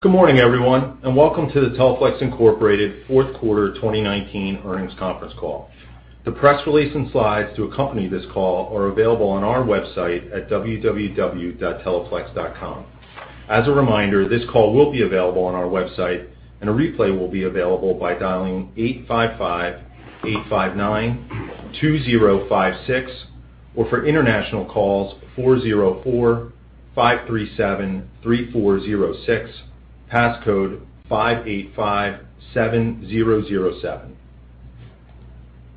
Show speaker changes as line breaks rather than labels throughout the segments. Good morning, everyone, welcome to the Teleflex Incorporated fourth quarter 2019 earnings conference call. The press release and slides to accompany this call are available on our website at www.teleflex.com. As a reminder, this call will be available on our website. A replay will be available by dialing 855-859-2056 or for international calls, 404-537-3406, passcode 5857007.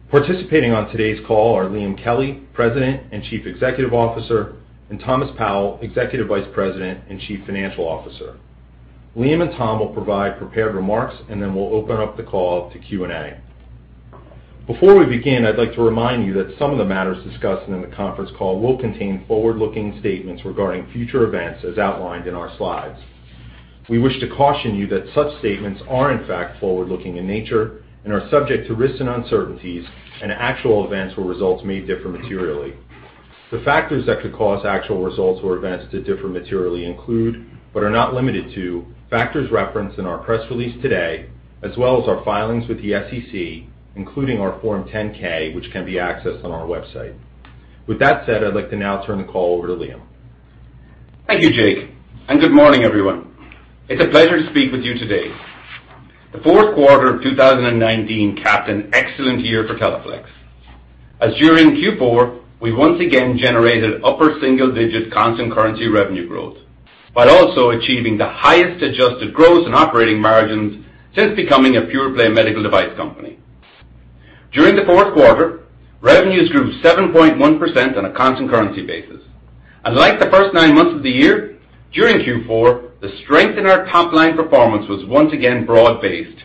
Participating on today's call are Liam Kelly, President and Chief Executive Officer, and Thomas Powell, Executive Vice President and Chief Financial Officer. Liam and Tom will provide prepared remarks. Then we'll open up the call to Q&A. Before we begin, I'd like to remind you that some of the matters discussed in the conference call will contain forward-looking statements regarding future events as outlined in our slides. We wish to caution you that such statements are in fact forward-looking in nature and are subject to risks and uncertainties and actual events where results may differ materially. The factors that could cause actual results or events to differ materially include, but are not limited to, factors referenced in our press release today, as well as our filings with the SEC, including our Form 10-K, which can be accessed on our website. With that said, I'd like to now turn the call over to Liam.
Thank you, Jake. Good morning, everyone. It's a pleasure to speak with you today. The fourth quarter of 2019 capped an excellent year for Teleflex. During Q4, we once again generated upper single-digit constant currency revenue growth, while also achieving the highest adjusted growth and operating margins since becoming a pure-play medical device company. During the fourth quarter, revenues grew 7.1% on a constant currency basis. Like the first nine months of the year, during Q4, the strength in our top-line performance was once again broad-based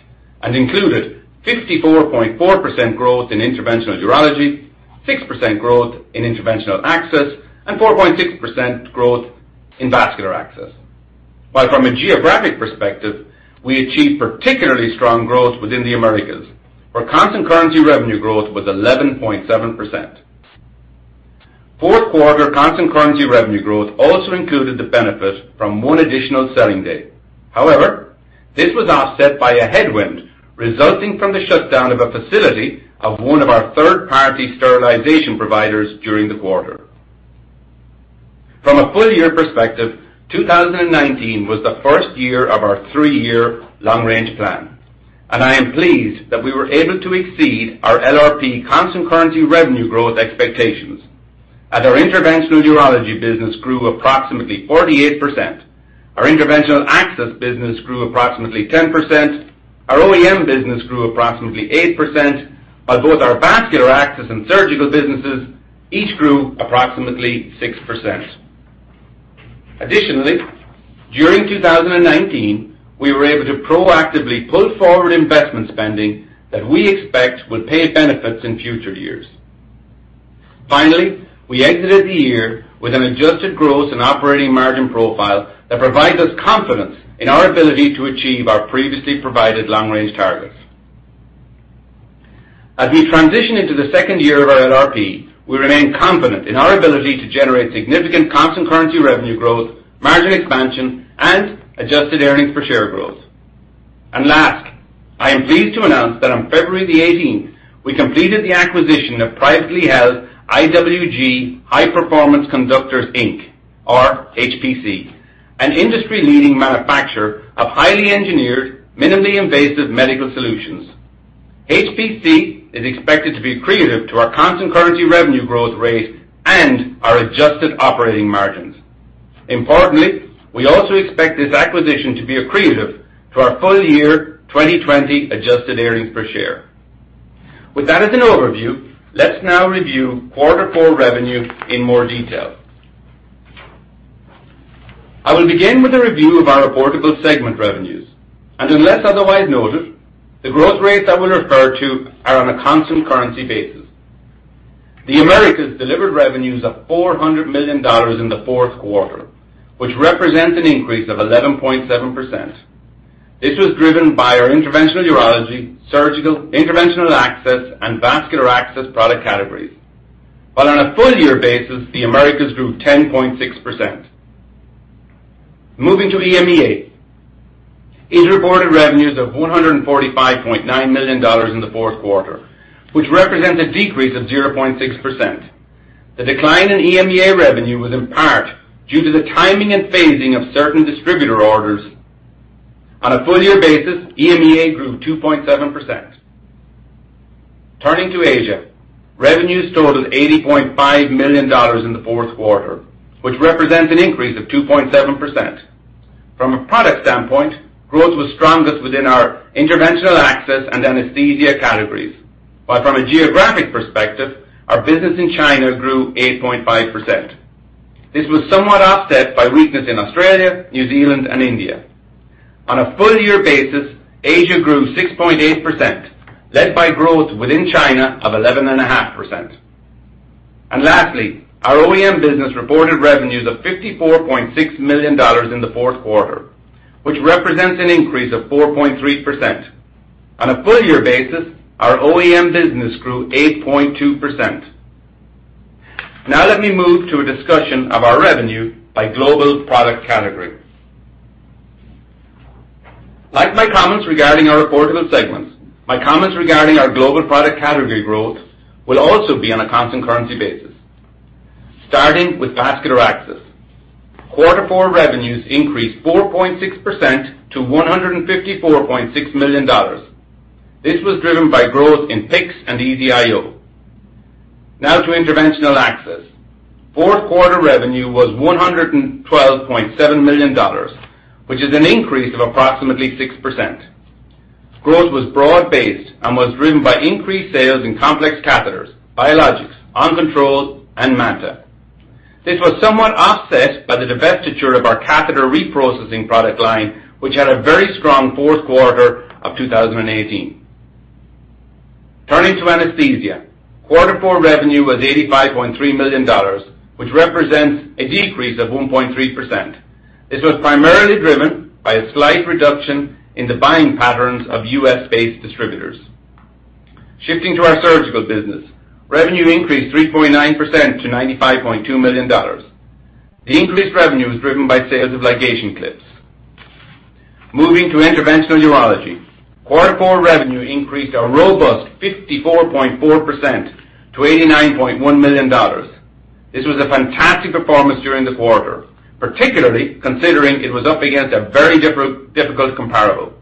and included 64.4% growth in interventional urology, 6% growth in interventional access, and 4.6% growth in vascular access. While from a geographic perspective, we achieved particularly strong growth within the Americas, where constant currency revenue growth was 11.7%. Fourth quarter constant currency revenue growth also included the benefit from one additional selling day. However, this was offset by a headwind resulting from the shutdown of a facility of one of our third-party sterilization providers during the quarter. From a full-year perspective, 2019 was the first year of our three-year long-range plan, and I am pleased that we were able to exceed our LRP constant currency revenue growth expectations. As our interventional urology business grew approximately 48%, our interventional access business grew approximately 10%, our OEM business grew approximately 8%, while both our vascular access and surgical businesses each grew approximately 6%. Additionally, during 2019, we were able to proactively pull forward investment spending that we expect will pay benefits in future years. Finally, we exited the year with an adjusted gross and operating margin profile that provides us confidence in our ability to achieve our previously provided long-range targets. As we transition into the second year of our LRP, we remain confident in our ability to generate significant constant currency revenue growth, margin expansion, and adjusted earnings per share growth. Last, I am pleased to announce that on February 18th, we completed the acquisition of privately held IWG High Performance Conductors, Inc., or HPC, an industry-leading manufacturer of highly engineered, minimally invasive medical solutions. HPC is expected to be accretive to our constant currency revenue growth rate and our adjusted operating margins. Importantly, we also expect this acquisition to be accretive to our Full Year 2020 adjusted earnings per share. With that as an overview, let's now review quarter four revenue in more detail. I will begin with a review of our reportable segment revenues, Unless otherwise noted, the growth rates I will refer to are on a constant currency basis. The Americas delivered revenues of $400 million in the fourth quarter, which represents an increase of 11.7%. This was driven by our interventional urology, surgical, interventional access, and vascular access product categories. On a full-year basis, the Americas grew 10.6%. Moving to EMEA. It reported revenues of $145.9 million in the fourth quarter, which represents a decrease of 0.6%. The decline in EMEA revenue was in part due to the timing and phasing of certain distributor orders. On a full-year basis, EMEA grew 2.7%. Turning to Asia, revenues totaled $80.5 million in the fourth quarter, which represents an increase of 2.7%. From a product standpoint, growth was strongest within our interventional access and anesthesia categories. From a geographic perspective, our business in China grew 8.5%. This was somewhat offset by weakness in Australia, New Zealand, and India. On a full-year basis, Asia grew 6.8%, led by growth within China of 11.5%. Lastly, our OEM business reported revenues of $54.6 million in the fourth quarter, which represents an increase of 4.3%. On a full-year basis, our OEM business grew 8.2%. Now let me move to a discussion of our revenue by global product category. Like my comments regarding our reportable segments, my comments regarding our global product category growth will also be on a constant currency basis. Starting with vascular access. Quarter four revenues increased 4.6% to $154.6 million. This was driven by growth in PICC and EZ-IO. Now to interventional access. Fourth quarter revenue was $112.7 million, which is an increase of approximately 6%. Growth was broad-based and was driven by increased sales in complex catheters, biologics, OnControl, and MANTA. This was somewhat offset by the divestiture of our catheter reprocessing product line, which had a very strong fourth quarter of 2018. Turning to anesthesia. Quarter four revenue was $85.3 million, which represents a decrease of 1.3%. This was primarily driven by a slight reduction in the buying patterns of U.S.-based distributors. Shifting to our surgical business. Revenue increased 3.9% to $95.2 million. The increased revenue was driven by sales of ligation clips. Moving to interventional urology. Quarter four revenue increased a robust 54.4% to $89.1 million. This was a fantastic performance during the quarter, particularly considering it was up against a very difficult comparable.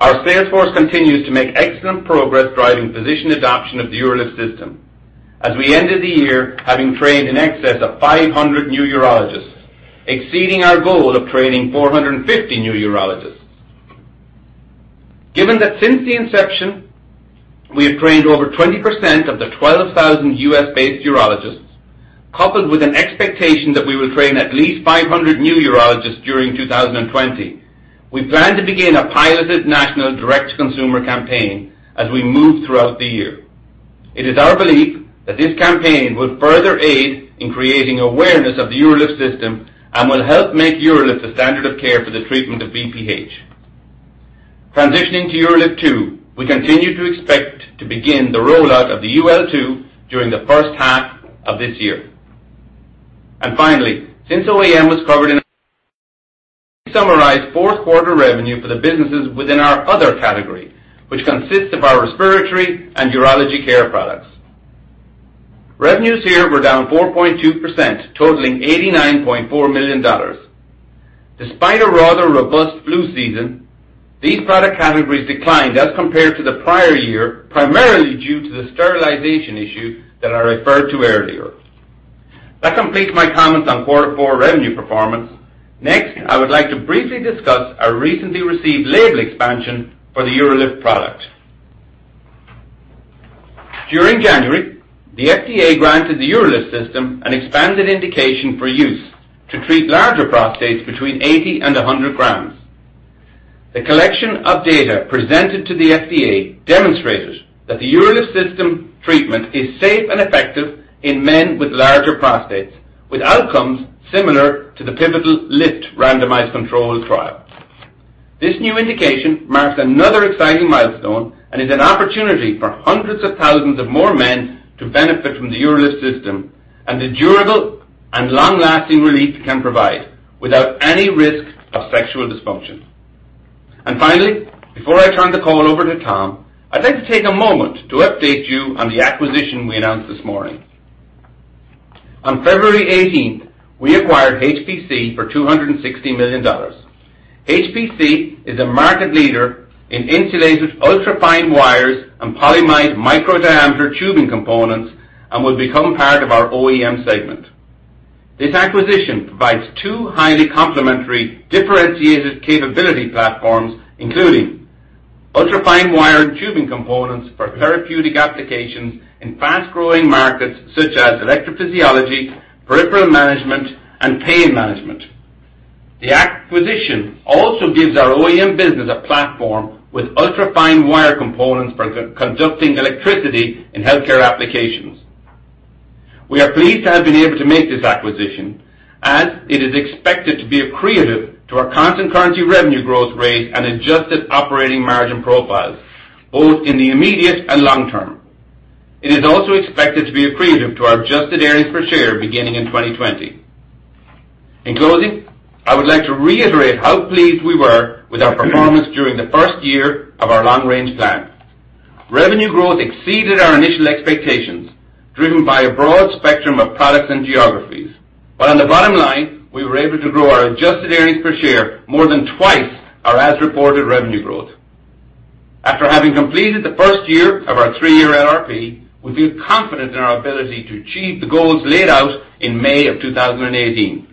Our sales force continues to make excellent progress driving physician adoption of the UroLift System as we ended the year having trained in excess of 500 new urologists, exceeding our goal of training 450 new urologists. Given that since the inception, we have trained over 20% of the 12,000 U.S.-based urologists, coupled with an expectation that we will train at least 500 new urologists during 2020, we plan to begin a piloted national direct consumer campaign as we move throughout the year. It is our belief that this campaign will further aid in creating awareness of the UroLift System and will help make UroLift a standard of care for the treatment of BPH. Transitioning to UroLift 2, we continue to expect to begin the rollout of the UL2 during the first half of this year. Finally, since OEM was summarized fourth quarter revenue for the businesses within our other category, which consists of our respiratory and urology care products. Revenues here were down 4.2%, totaling $89.4 million. Despite a rather robust flu season, these product categories declined as compared to the prior year, primarily due to the sterilization issue that I referred to earlier. That completes my comments on quarter four revenue performance. I would like to briefly discuss our recently received label expansion for the UroLift product. During January, the FDA granted the UroLift system an expanded indication for use to treat larger prostates between 80 and 100 grams. The collection of data presented to the FDA demonstrated that the UroLift system treatment is safe and effective in men with larger prostates, with outcomes similar to the pivotal LIFT randomized control trial. This new indication marks another exciting milestone and is an opportunity for hundreds of thousands of more men to benefit from the UroLift System and the durable and long-lasting relief it can provide without any risk of sexual dysfunction. Finally, before I turn the call over to Tom, I'd like to take a moment to update you on the acquisition we announced this morning. On February 18th, we acquired HPC for $260 million. HPC is a market leader in insulated ultra-fine wires and polyimide micro diameter tubing components and will become part of our OEM segment. This acquisition provides two highly complementary differentiated capability platforms, including ultra-fine wire and tubing components for therapeutic applications in fast-growing markets such as electrophysiology, peripheral management, and pain management. The acquisition also gives our OEM business a platform with ultra-fine wire components for conducting electricity in healthcare applications. We are pleased to have been able to make this acquisition as it is expected to be accretive to our constant currency revenue growth rate and adjusted operating margin profiles, both in the immediate and long term. It is also expected to be accretive to our adjusted earnings per share beginning in 2020. In closing, I would like to reiterate how pleased we were with our performance during the first year of our long-range plan. Revenue growth exceeded our initial expectations, driven by a broad spectrum of products and geographies. On the bottom line, we were able to grow our adjusted earnings per share more than twice our as-reported revenue growth. After having completed the first year of our three-year LRP, we feel confident in our ability to achieve the goals laid out in May of 2018.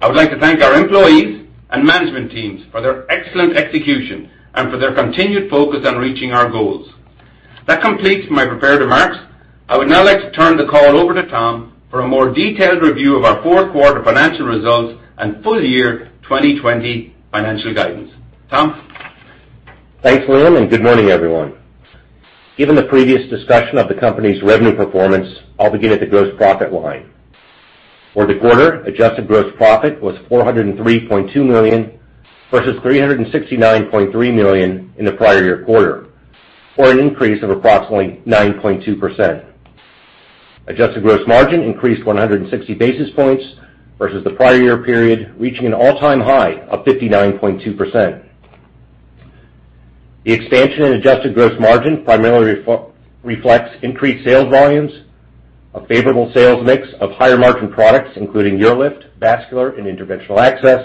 I would like to thank our employees and management teams for their excellent execution and for their continued focus on reaching our goals. That completes my prepared remarks. I would now like to turn the call over to Tom for a more detailed review of our fourth quarter financial results and Full Year 2020 financial guidance. Tom?
Thanks, Liam. Good morning, everyone. Given the previous discussion of the company's revenue performance, I'll begin at the gross profit line. For the quarter, adjusted gross profit was $403.2 million, versus $369.3 million in the prior year quarter, or an increase of approximately 9.2%. Adjusted gross margin increased 160 basis points versus the prior year period, reaching an all-time high of 59.2%. The expansion in adjusted gross margin primarily reflects increased sales volumes, a favorable sales mix of higher-margin products, including UroLift, vascular and interventional access,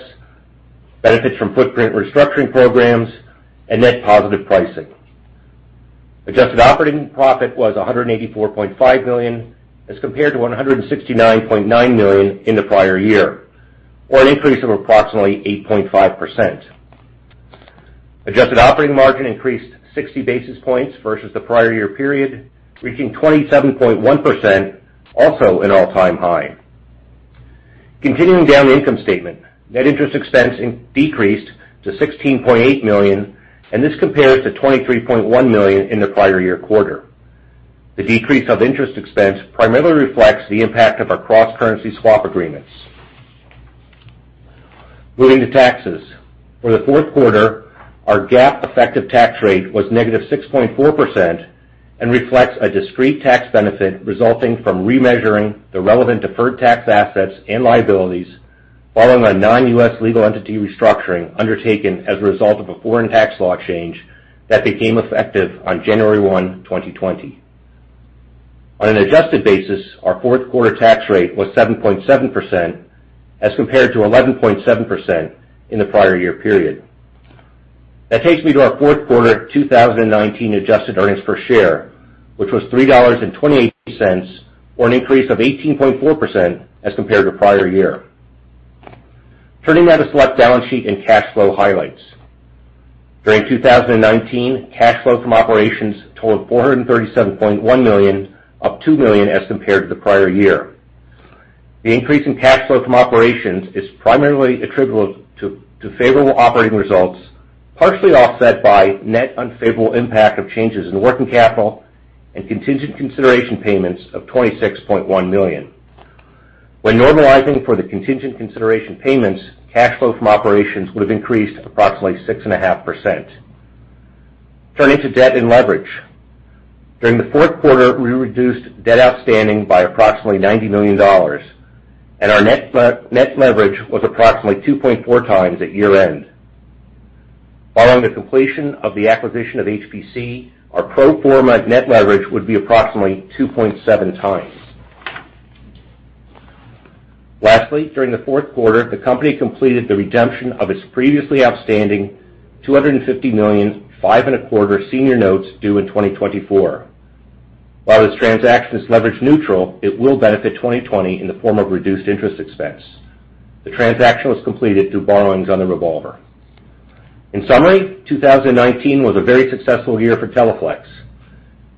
benefits from footprint restructuring programs, and net positive pricing. Adjusted operating profit was $184.5 million, as compared to $169.9 million in the prior year, or an increase of approximately 8.5%. Adjusted operating margin increased 60 basis points versus the prior year period, reaching 27.1%, also an all-time high. Continuing down the income statement, net interest expense decreased to $16.8 million, this compares to $23.1 million in the prior year quarter. The decrease of interest expense primarily reflects the impact of our cross-currency swap agreements. Moving to taxes. For the fourth quarter, our GAAP effective tax rate was negative 6.4% and reflects a discrete tax benefit resulting from remeasuring the relevant deferred tax assets and liabilities following a non-U.S. legal entity restructuring undertaken as a result of a foreign tax law change that became effective on 1st January 2020. On an adjusted basis, our fourth quarter tax rate was 7.7%, as compared to 11.7% in the prior year period. That takes me to our fourth quarter 2019 adjusted earnings per share, which was $3.28, or an increase of 18.4% as compared to prior year. Turning now to select balance sheet and cash flow highlights. During 2019, cash flow from operations totaled $437.1 million, up $2 million as compared to the prior year. The increase in cash flow from operations is primarily attributable to favorable operating results, partially offset by net unfavorable impact of changes in working capital and contingent consideration payments of $26.1 million. When normalizing for the contingent consideration payments, cash flow from operations would have increased approximately 6.5%. Turning to debt and leverage. During the fourth quarter, we reduced debt outstanding by approximately $90 million, and our net leverage was approximately 2.4x at year-end. Following the completion of the acquisition of HPC, our pro forma net leverage would be approximately 2.7x. Lastly, during the fourth quarter, the company completed the redemption of its previously outstanding $250 million five and a quarter senior notes due in 2024. While this transaction is leverage neutral, it will benefit 2020 in the form of reduced interest expense. The transaction was completed through borrowings on the revolver. In summary, 2019 was a very successful year for Teleflex.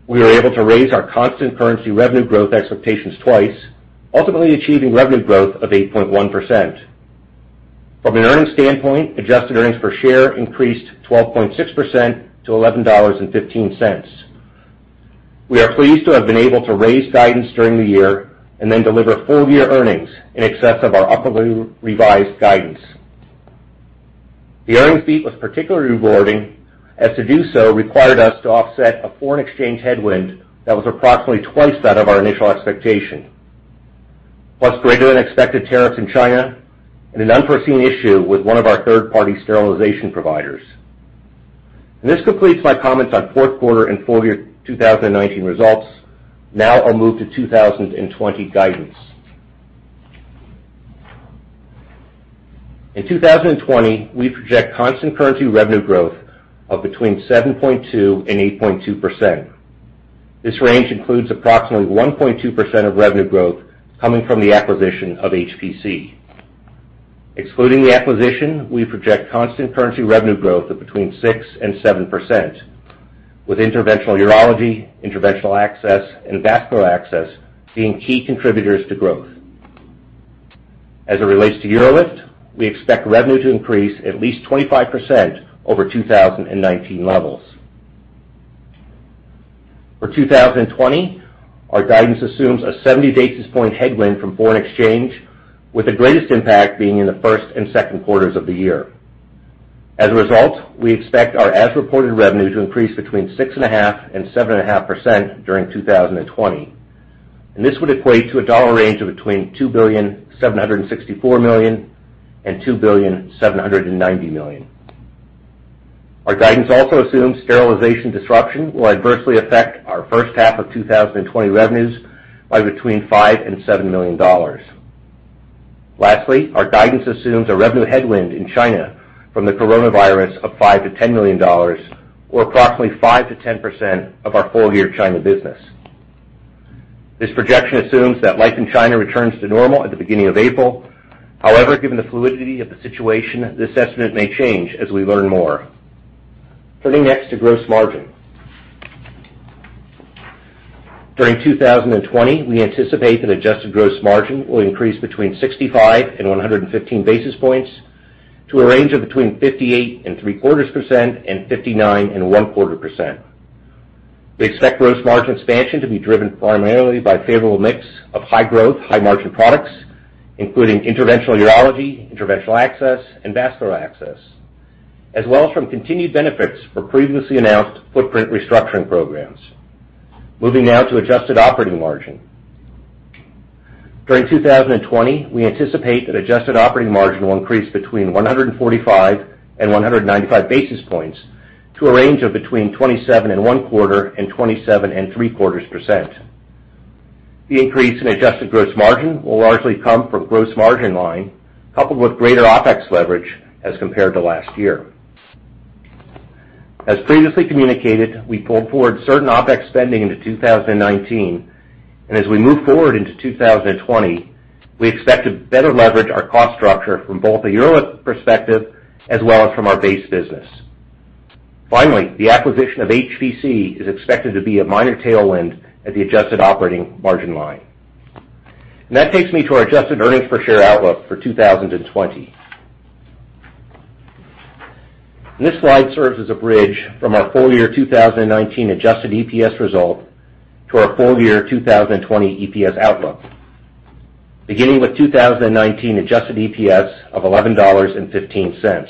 We were able to raise our constant currency revenue growth expectations twice, ultimately achieving revenue growth of 8.1%. From an earnings standpoint, adjusted earnings per share increased 12.6% to $11.15. We are pleased to have been able to raise guidance during the year and then deliver full-year earnings in excess of our upwardly revised guidance. The earnings beat was particularly rewarding, as to do so required us to offset a foreign exchange headwind that was approximately twice that of our initial expectation, plus greater than expected tariffs in China and an unforeseen issue with one of our third-party sterilization providers. This completes my comments on fourth quarter and Full Year 2019 results. I'll move to 2020 guidance. In 2020, we project constant currency revenue growth of between 7.2% and 8.2%. This range includes approximately 1.2% of revenue growth coming from the acquisition of HPC. Excluding the acquisition, we project constant currency revenue growth of between 6% and 7%, with interventional urology, interventional access, and vascular access being key contributors to growth. As it relates to UroLift, we expect revenue to increase at least 25% over 2019 levels. For 2020, our guidance assumes a 70 basis point headwind from foreign exchange, with the greatest impact being in the first and second quarters of the year. As a result, we expect our as-reported revenue to increase between 6.5% and 7.5% during 2020. This would equate to a dollar range of between $2.764 billion and $2.79 billion. Our guidance also assumes sterilization disruption will adversely affect our first half of 2020 revenues by between $5 million and $7 million. Lastly, our guidance assumes a revenue headwind in China from the coronavirus of $5 million-$10 million, or approximately 5%-10% of our full-year China business. This projection assumes that life in China returns to normal at the beginning of April. However, given the fluidity of the situation, this estimate may change as we learn more. Turning next to gross margin. During 2020, we anticipate that adjusted gross margin will increase between 65 and 115 basis points to a range of between 58.75% and 59.25%. We expect gross margin expansion to be driven primarily by favorable mix of high growth, high margin products, including interventional urology, interventional access, and vascular access, as well as from continued benefits for previously announced footprint restructuring programs. Moving now to adjusted operating margin. During 2020, we anticipate that adjusted operating margin will increase between 145 and 195 basis points to a range of between 27 and one quarter and 27 and three-quarters percent. The increase in adjusted gross margin will largely come from gross margin line, coupled with greater OpEx leverage as compared to last year. As previously communicated, we pulled forward certain OpEx spending into 2019. As we move forward into 2020, we expect to better leverage our cost structure from both a UroLift perspective as well as from our base business. Finally, the acquisition of HPC is expected to be a minor tailwind at the adjusted operating margin line. That takes me to our adjusted earnings per share outlook for 2020. This slide serves as a bridge from our Full Year 2019 adjusted EPS result to our Full Year 2020 EPS outlook. Beginning with 2019 adjusted EPS of $11.15.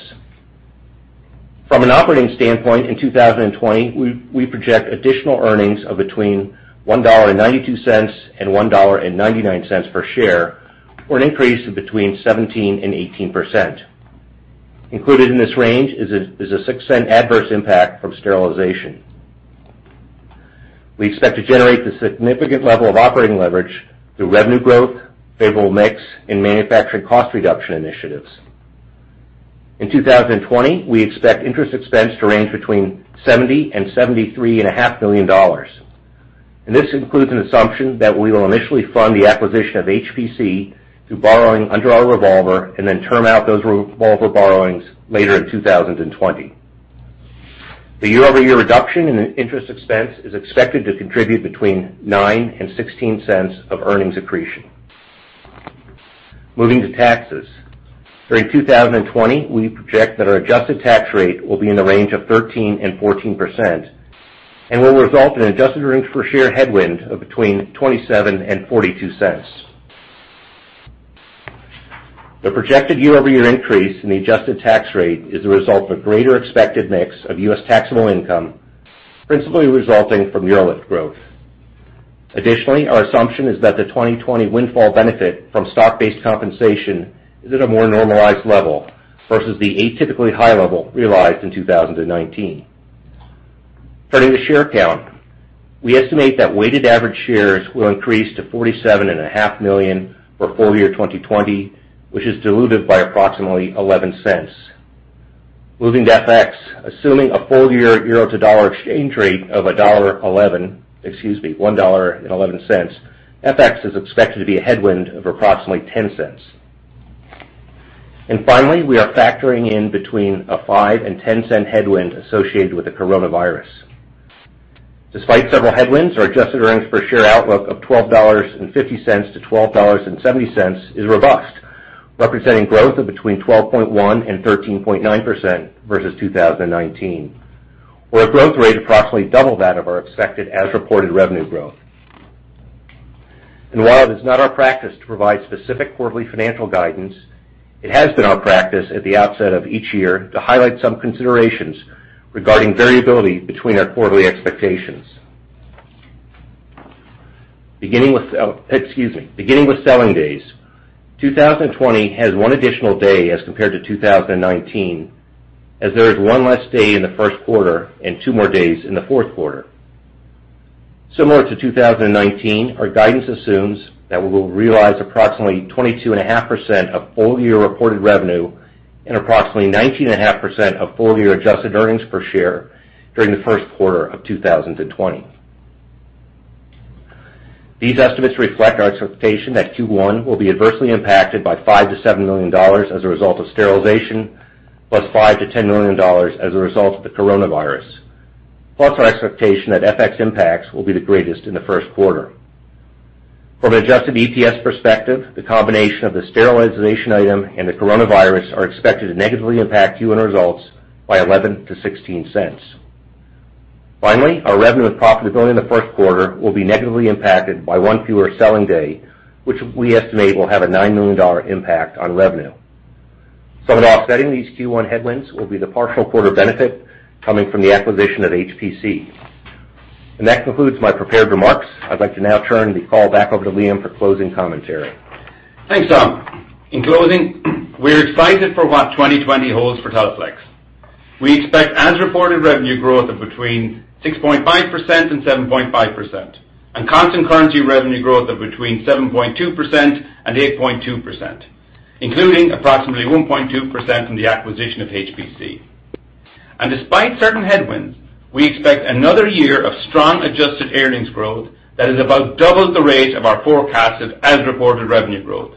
From an operating standpoint in 2020, we project additional earnings of between $1.92 and $1.99 per share, or an increase of between 17% and 18%. Included in this range is a $0.06 adverse impact from sterilization. We expect to generate the significant level of operating leverage through revenue growth, favorable mix and manufacturing cost reduction initiatives. In 2020, we expect interest expense to range between $70 and $73.5 million. This includes an assumption that we will initially fund the acquisition of HPC through borrowing under our revolver and then term out those revolver borrowings later in 2020. The year-over-year reduction in interest expense is expected to contribute between $0.09 and $0.16 of earnings accretion. Moving to taxes. During 2020, we project that our adjusted tax rate will be in the range of 13% and 14% and will result in adjusted earnings per share headwind of between $0.27 and $0.42. The projected year-over-year increase in the adjusted tax rate is the result of a greater expected mix of U.S. taxable income, principally resulting from UroLift growth. Additionally, our assumption is that the 2020 windfall benefit from stock-based compensation is at a more normalized level versus the atypically high level realized in 2019. Turning to share count. We estimate that weighted average shares will increase to 47.5 million for Full Year 2020, which is dilutive by approximately $0.11. Moving to FX. Assuming a full year euro to dollar exchange rate of $1.11, FX is expected to be a headwind of approximately $0.10. Finally, we are factoring in between a $0.05 and $0.10 headwind associated with the coronavirus. Despite several headwinds, our adjusted earnings per share outlook of $12.50-$12.70 is robust, representing growth of between 12.1% and 13.9% versus 2019, or a growth rate approximately double that of our expected as-reported revenue growth. While it is not our practice to provide specific quarterly financial guidance, it has been our practice at the outset of each year to highlight some considerations regarding variability between our quarterly expectations. Beginning with selling days. 2020 has one additional day as compared to 2019, as there is one less day in the first quarter and two more days in the fourth quarter. Similar to 2019, our guidance assumes that we will realize approximately 22.5% of full-year reported revenue and approximately 19.5% of full-year adjusted earnings per share during the first quarter of 2020. These estimates reflect our expectation that Q1 will be adversely impacted by $5 million-$7 million as a result of sterilization, plus $5 million-$10 million as a result of the coronavirus. Plus our expectation that FX impacts will be the greatest in the first quarter. From an adjusted EPS perspective, the combination of the sterilization item and the coronavirus are expected to negatively impact Q1 results by $0.11-$0.16. Finally, our revenue profitability in the first quarter will be negatively impacted by one fewer selling day, which we estimate will have a $9 million impact on revenue. Somewhat offsetting these Q1 headwinds will be the partial quarter benefit coming from the acquisition of HPC. That concludes my prepared remarks. I'd like to now turn the call back over to Liam for closing commentary.
Thanks, Tom. In closing, we're excited for what 2020 holds for Teleflex. We expect as-reported revenue growth of between 6.5% and 7.5%, and constant currency revenue growth of between 7.2% and 8.2%, including approximately 1.2% from the acquisition of HPC. Despite certain headwinds, we expect another year of strong adjusted earnings growth that is about double the rate of our forecasted as-reported revenue growth.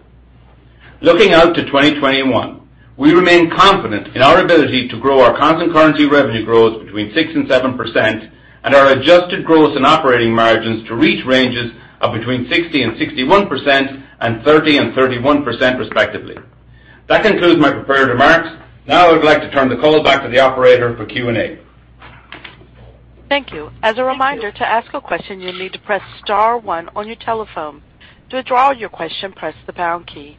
Looking out to 2021, we remain confident in our ability to grow our constant currency revenue growth between 6% and 7%, and our adjusted gross and operating margins to reach ranges of between 60% and 61% and 30% and 31%, respectively. That concludes my prepared remarks. Now I would like to turn the call back to the operator for Q&A.
Thank you. As a reminder, to ask a question, you'll need to press star one on your telephone. To withdraw your question, press the pound key.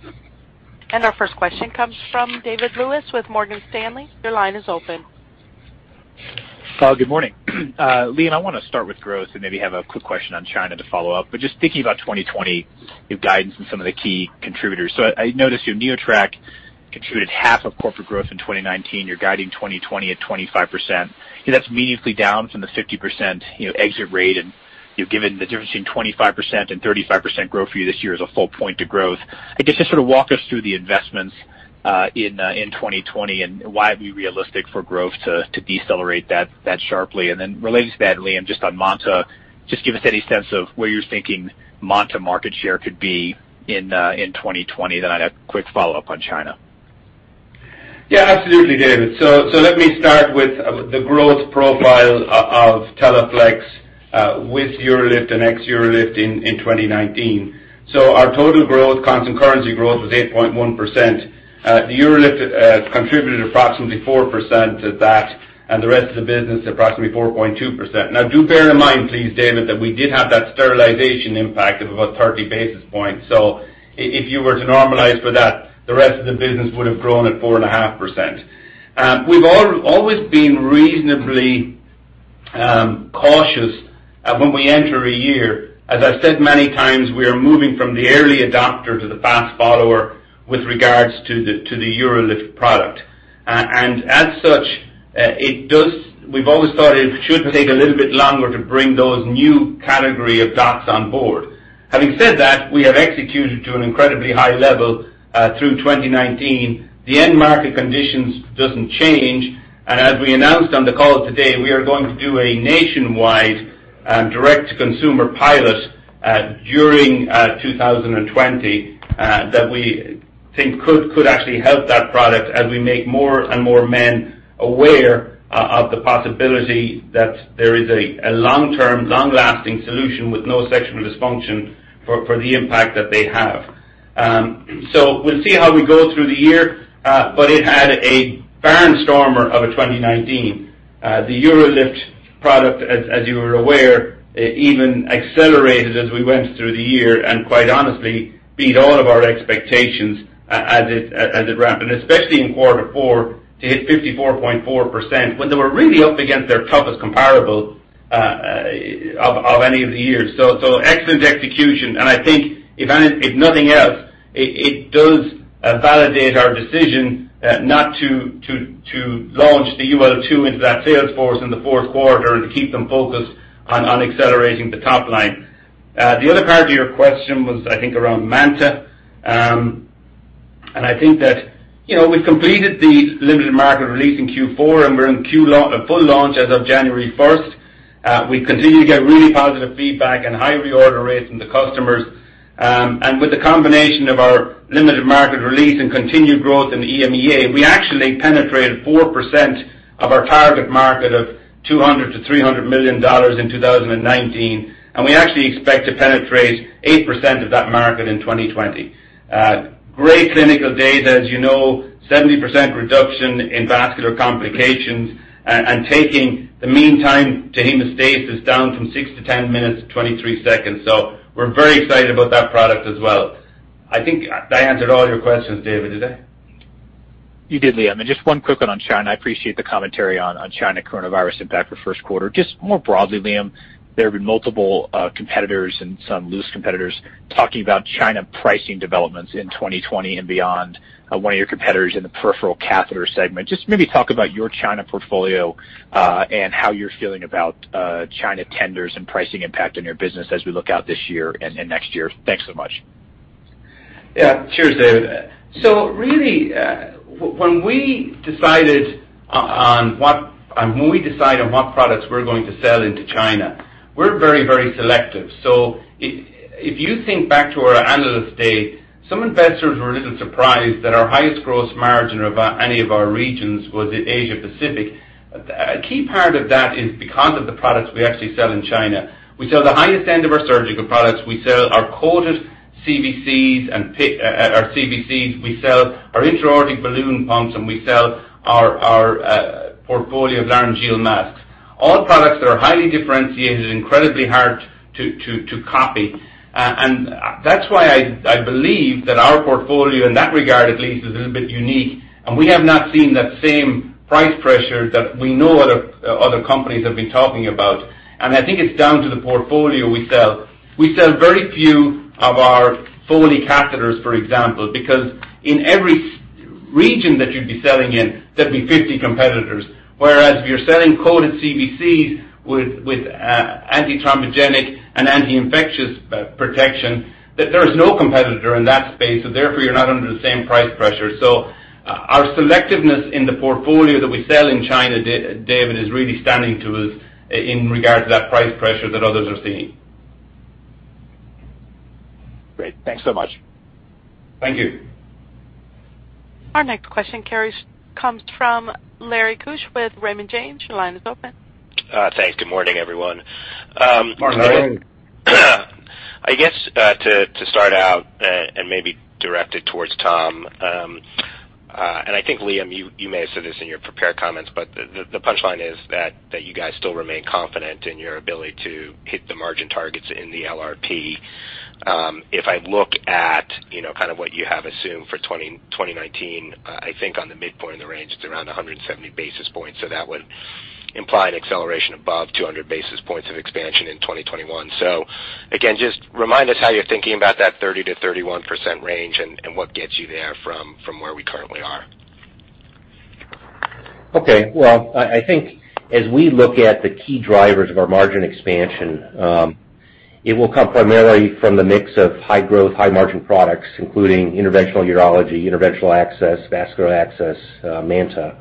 Our first question comes from David Lewis with Morgan Stanley. Your line is open.
Good morning. Liam, I want to start with growth and maybe have a quick question on China to follow up. Just thinking about 2020, your guidance and some of the key contributors. I noticed your UroLift contributed half of corporate growth in 2019. You're guiding 2020 at 25%. That's meaningfully down from the 50% exit rate. You've given the difference between 25% and 35% growth for you this year is a full point to growth. I guess, just sort of walk us through the investments in 2020 and why it'd be realistic for growth to decelerate that sharply. Related to that, Liam, just on MANTA, just give us any sense of where you're thinking MANTA market share could be in 2020. I'd have a quick follow-up on China.
Yeah, absolutely, David. Let me start with the growth profile of Teleflex with UroLift and ex UroLift in 2019. Our total growth, constant currency growth, was 8.1%. The UroLift contributed approximately 4% to that, and the rest of the business, approximately 4.2%. Do bear in mind, please, David, that we did have that sterilization impact of about 30 basis points. If you were to normalize for that, the rest of the business would have grown at 4.5%. We've always been reasonably cautious when we enter a year. As I've said many times, we are moving from the early adopter to the fast follower with regards to the UroLift product. As such, we've always thought it should take a little bit longer to bring those new category of docs on board. Having said that, we have executed to an incredibly high level through 2019. The end market conditions doesn't change, and as we announced on the call today, we are going to do a nationwide direct-to-consumer pilot during 2020 that we think could actually help that product as we make more and more men aware of the possibility that there is a long-term, long-lasting solution with no sexual dysfunction for the impact that they have. We'll see how we go through the year, but it had a barnstormer of a 2019. The UroLift product, as you are aware, even accelerated as we went through the year, and quite honestly beat all of our expectations as it ramped. Especially in quarter four, to hit 54.4%, when they were really up against their toughest comparable of any of the years. Excellent execution, and I think if nothing else, it does validate our decision not to launch the UroLift 2 into that sales force in the fourth quarter and to keep them focused on accelerating the top line. The other part of your question was, I think, around MANTA. I think that we've completed the limited market release in Q4, and we're in full launch as of January 1st. We continue to get really positive feedback and high reorder rates from the customers. With the combination of our limited market release and continued growth in the EMEA, we actually penetrated 4% of our target market of $200 million-$300 million in 2019, and we actually expect to penetrate 8% of that market in 2020. Great clinical data, as you know, 70% reduction in vascular complications, and taking the mean time to hemostasis down from six-10 minutes, 23 seconds. We're very excited about that product as well. I think I answered all your questions, David. Did I?
You did, Liam. Just one quick one on China. I appreciate the commentary on China coronavirus impact for first quarter. Just more broadly, Liam, there have been multiple competitors and some loose competitors talking about China pricing developments in 2020 and beyond. One of your competitors in the peripheral catheter segment. Just maybe talk about your China portfolio, and how you're feeling about China tenders and pricing impact on your business as we look out this year and next year. Thanks so much.
Yeah. Cheers, David. Really, when we decide on what products we're going to sell into China, we're very selective. If you think back to our Analyst Day, some investors were a little surprised that our highest gross margin of any of our regions was Asia Pacific. A key part of that is because of the products we actually sell in China. We sell the highest end of our surgical products. We sell our coated CVCs, we sell our intra-aortic balloon pumps, and we sell our portfolio of laryngeal masks. All products that are highly differentiated, incredibly hard to copy. That's why I believe that our portfolio in that regard, at least, is a little bit unique, and we have not seen that same price pressure that we know other companies have been talking about. I think it's down to the portfolio we sell. We sell very few of our Foley catheters, for example, because in every region that you'd be selling in, there'd be 50 competitors. Whereas if you're selling coated CVCs with antithrombogenic and anti-infectious protection, there is no competitor in that space, therefore, you're not under the same price pressure. Our selectiveness in the portfolio that we sell in China, David, is really standing to us in regards to that price pressure that others are seeing.
Great. Thanks so much.
Thank you.
Our next question comes from Lawrence Keusch with Raymond James. Your line is open.
Thanks. Good morning, everyone.
Morning.
I guess to start out and maybe direct it towards Tom, and I think Liam, you may have said this in your prepared comments, but the punchline is that you guys still remain confident in your ability to hit the margin targets in the LRP. If I look at kind of what you have assumed for 2019, I think on the midpoint of the range, it's around 170 basis points. That would imply an acceleration above 200 basis points of expansion in 2021. Again, just remind us how you're thinking about that 30%-31% range and what gets you there from where we currently are.
Well, I think as we look at the key drivers of our margin expansion, it will come primarily from the mix of high growth, high margin products, including Interventional Urology, Interventional Access, Vascular Access, MANTA,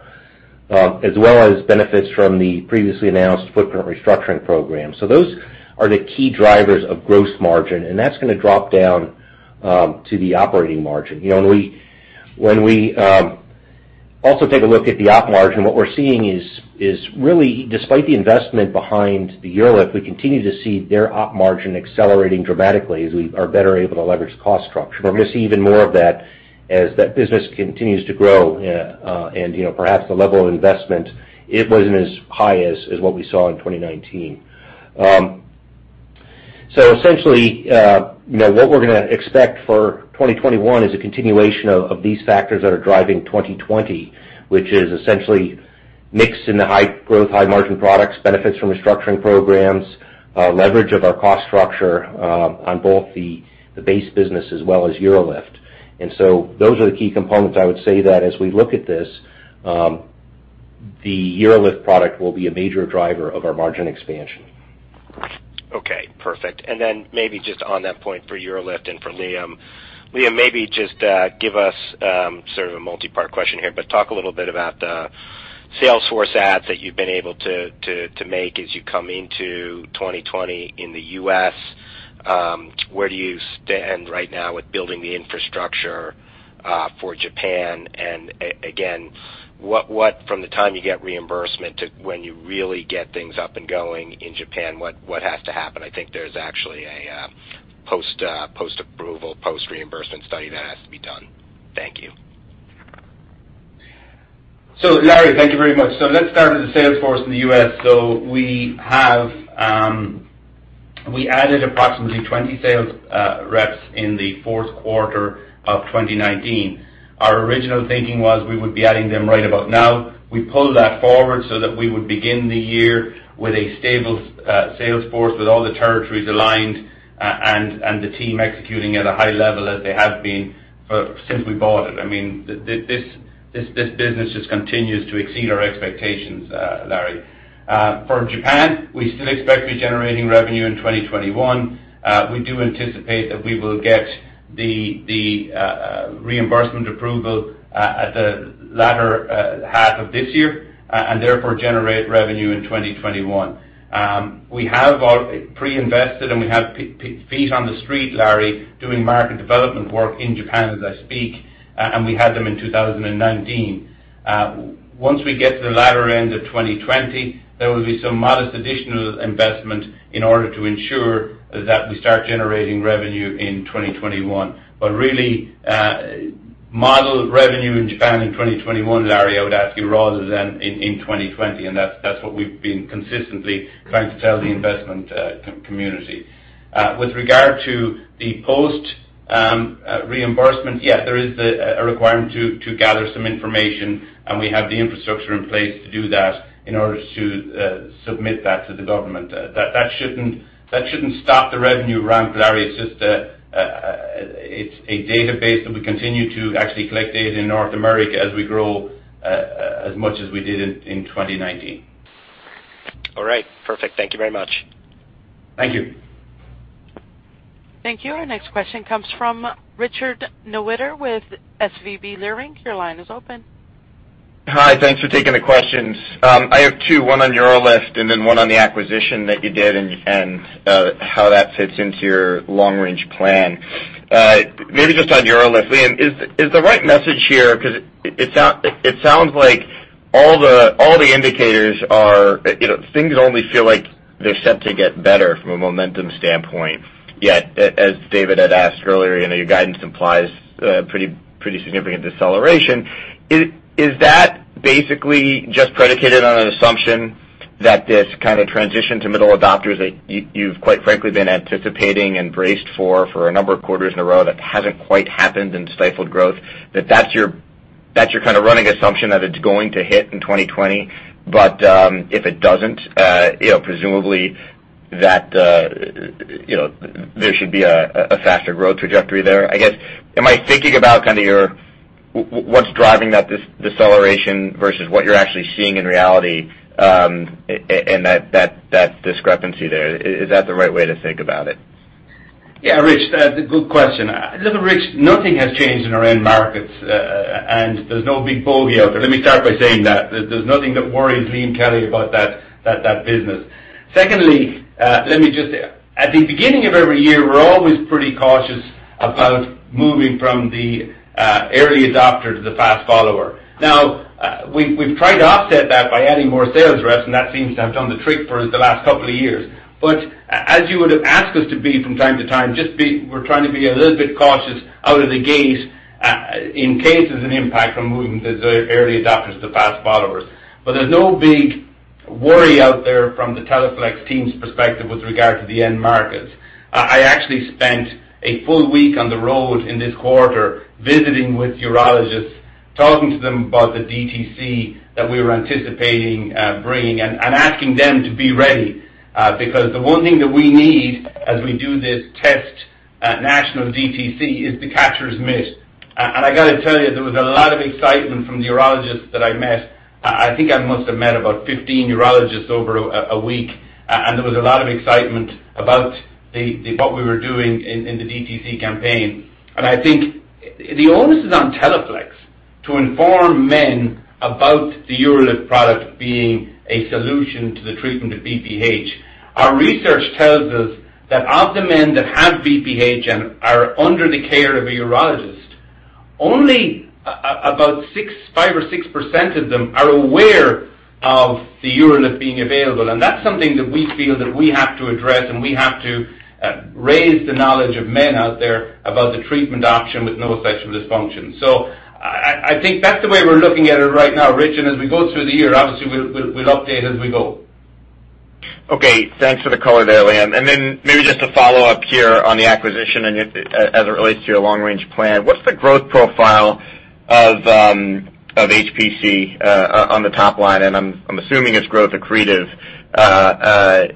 as well as benefits from the previously announced footprint restructuring program. Those are the key drivers of gross margin, and that's going to drop down to the operating margin. When we also take a look at the op margin, what we're seeing is really, despite the investment behind the UroLift, we continue to see their op margin accelerating dramatically as we are better able to leverage the cost structure. We're going to see even more of that as that business continues to grow and perhaps the level of investment isn't as high as what we saw in 2019. Essentially, what we're going to expect for 2021 is a continuation of these factors that are driving 2020, which is essentially mix in the high growth, high margin products, benefits from restructuring programs, leverage of our cost structure on both the base business as well as UroLift. Those are the key components, I would say, that as we look at this, the UroLift product will be a major driver of our margin expansion.
Okay, perfect. Then maybe just on that point for UroLift and for Liam. Liam, maybe just give us sort of a multipart question here, but talk a little bit about the sales force adds that you've been able to make as you come into 2020 in the U.S. Where do you stand right now with building the infrastructure for Japan? And again, from the time you get reimbursement to when you really get things up and going in Japan, what has to happen? I think there's actually a post-approval, post-reimbursement study that has to be done. Thank you.
Larry, thank you very much. Let's start with the sales force in the U.S. We added approximately 20 sales reps in the fourth quarter of 2019. Our original thinking was we would be adding them right about now. We pulled that forward so that we would begin the year with a stable sales force with all the territories aligned and the team executing at a high level as they have been since we bought it. This business just continues to exceed our expectations, Larry. For Japan, we still expect to be generating revenue in 2021. We do anticipate that we will get the reimbursement approval at the latter half of this year and therefore generate revenue in 2021. We have pre-invested, and we have feet on the street, Larry, doing market development work in Japan as I speak, and we had them in 2019. Once we get to the latter end of 2020, there will be some modest additional investment in order to ensure that we start generating revenue in 2021. Really model revenue in Japan in 2021, Larry, I would ask you, rather than in 2020, and that's what we've been consistently trying to tell the investment community. With regard to the post reimbursement, yes, there is a requirement to gather some information, and we have the infrastructure in place to do that in order to submit that to the government. That shouldn't stop the revenue ramp, Larry. It's a database that we continue to actually collect data in North America as we grow as much as we did in 2019.
All right. Perfect. Thank you very much.
Thank you.
Thank you. Our next question comes from Richard Newitter with SVB Leerink. Your line is open.
Hi. Thanks for taking the questions. I have two, one on UroLift and then one on the acquisition that you did and how that fits into your long-range plan. Maybe just on UroLift, Liam, is the right message here, because it sounds like all the indicators are. Things only feel like they're set to get better from a momentum standpoint, yet as David had asked earlier, your guidance implies pretty significant deceleration. Is that basically just predicated on an assumption that this kind of transition to middle adopters that you've quite frankly been anticipating and braced for a number of quarters in a row that hasn't quite happened and stifled growth? That's your kind of running assumption that it's going to hit in 2020. If it doesn't, presumably there should be a faster growth trajectory there. I guess, am I thinking about what's driving that deceleration versus what you're actually seeing in reality and that discrepancy there? Is that the right way to think about it?
Yeah, Rich, that's a good question. Listen, Rich, nothing has changed in our end markets, and there's no big bogey out there. Let me start by saying that. There's nothing that worries Liam Kelly about that business. Secondly, at the beginning of every year, we're always pretty cautious about moving from the early adopter to the fast follower. We've tried to offset that by adding more sales reps, and that seems to have done the trick for the last couple of years. As you would have asked us to be from time to time, we're trying to be a little bit cautious out of the gate in case there's an impact from moving the early adopters to fast followers. There's no big worry out there from the Teleflex team's perspective with regard to the end markets. I actually spent a full week on the road in this quarter visiting with urologists, talking to them about the DTC that we were anticipating bringing and asking them to be ready. The one thing that we need as we do this test national DTC is the catcher's mitt. I got to tell you, there was a lot of excitement from the urologists that I met. I think I must have met about 15 urologists over a week. There was a lot of excitement about what we were doing in the DTC campaign. I think the onus is on Teleflex to inform men about the UroLift product being a solution to the treatment of BPH. Our research tells us that of the men that have BPH and are under the care of a urologist, only about 5% or 6% of them are aware of the UroLift being available. That's something that we feel that we have to address, and we have to raise the knowledge of men out there about the treatment option with no sexual dysfunction. I think that's the way we're looking at it right now, Rich. As we go through the year, obviously, we'll update as we go.
Thanks for the color there, Liam. Maybe just to follow up here on the acquisition and as it relates to your long-range plan, what's the growth profile of HPC on the top line? I'm assuming it's growth accretive.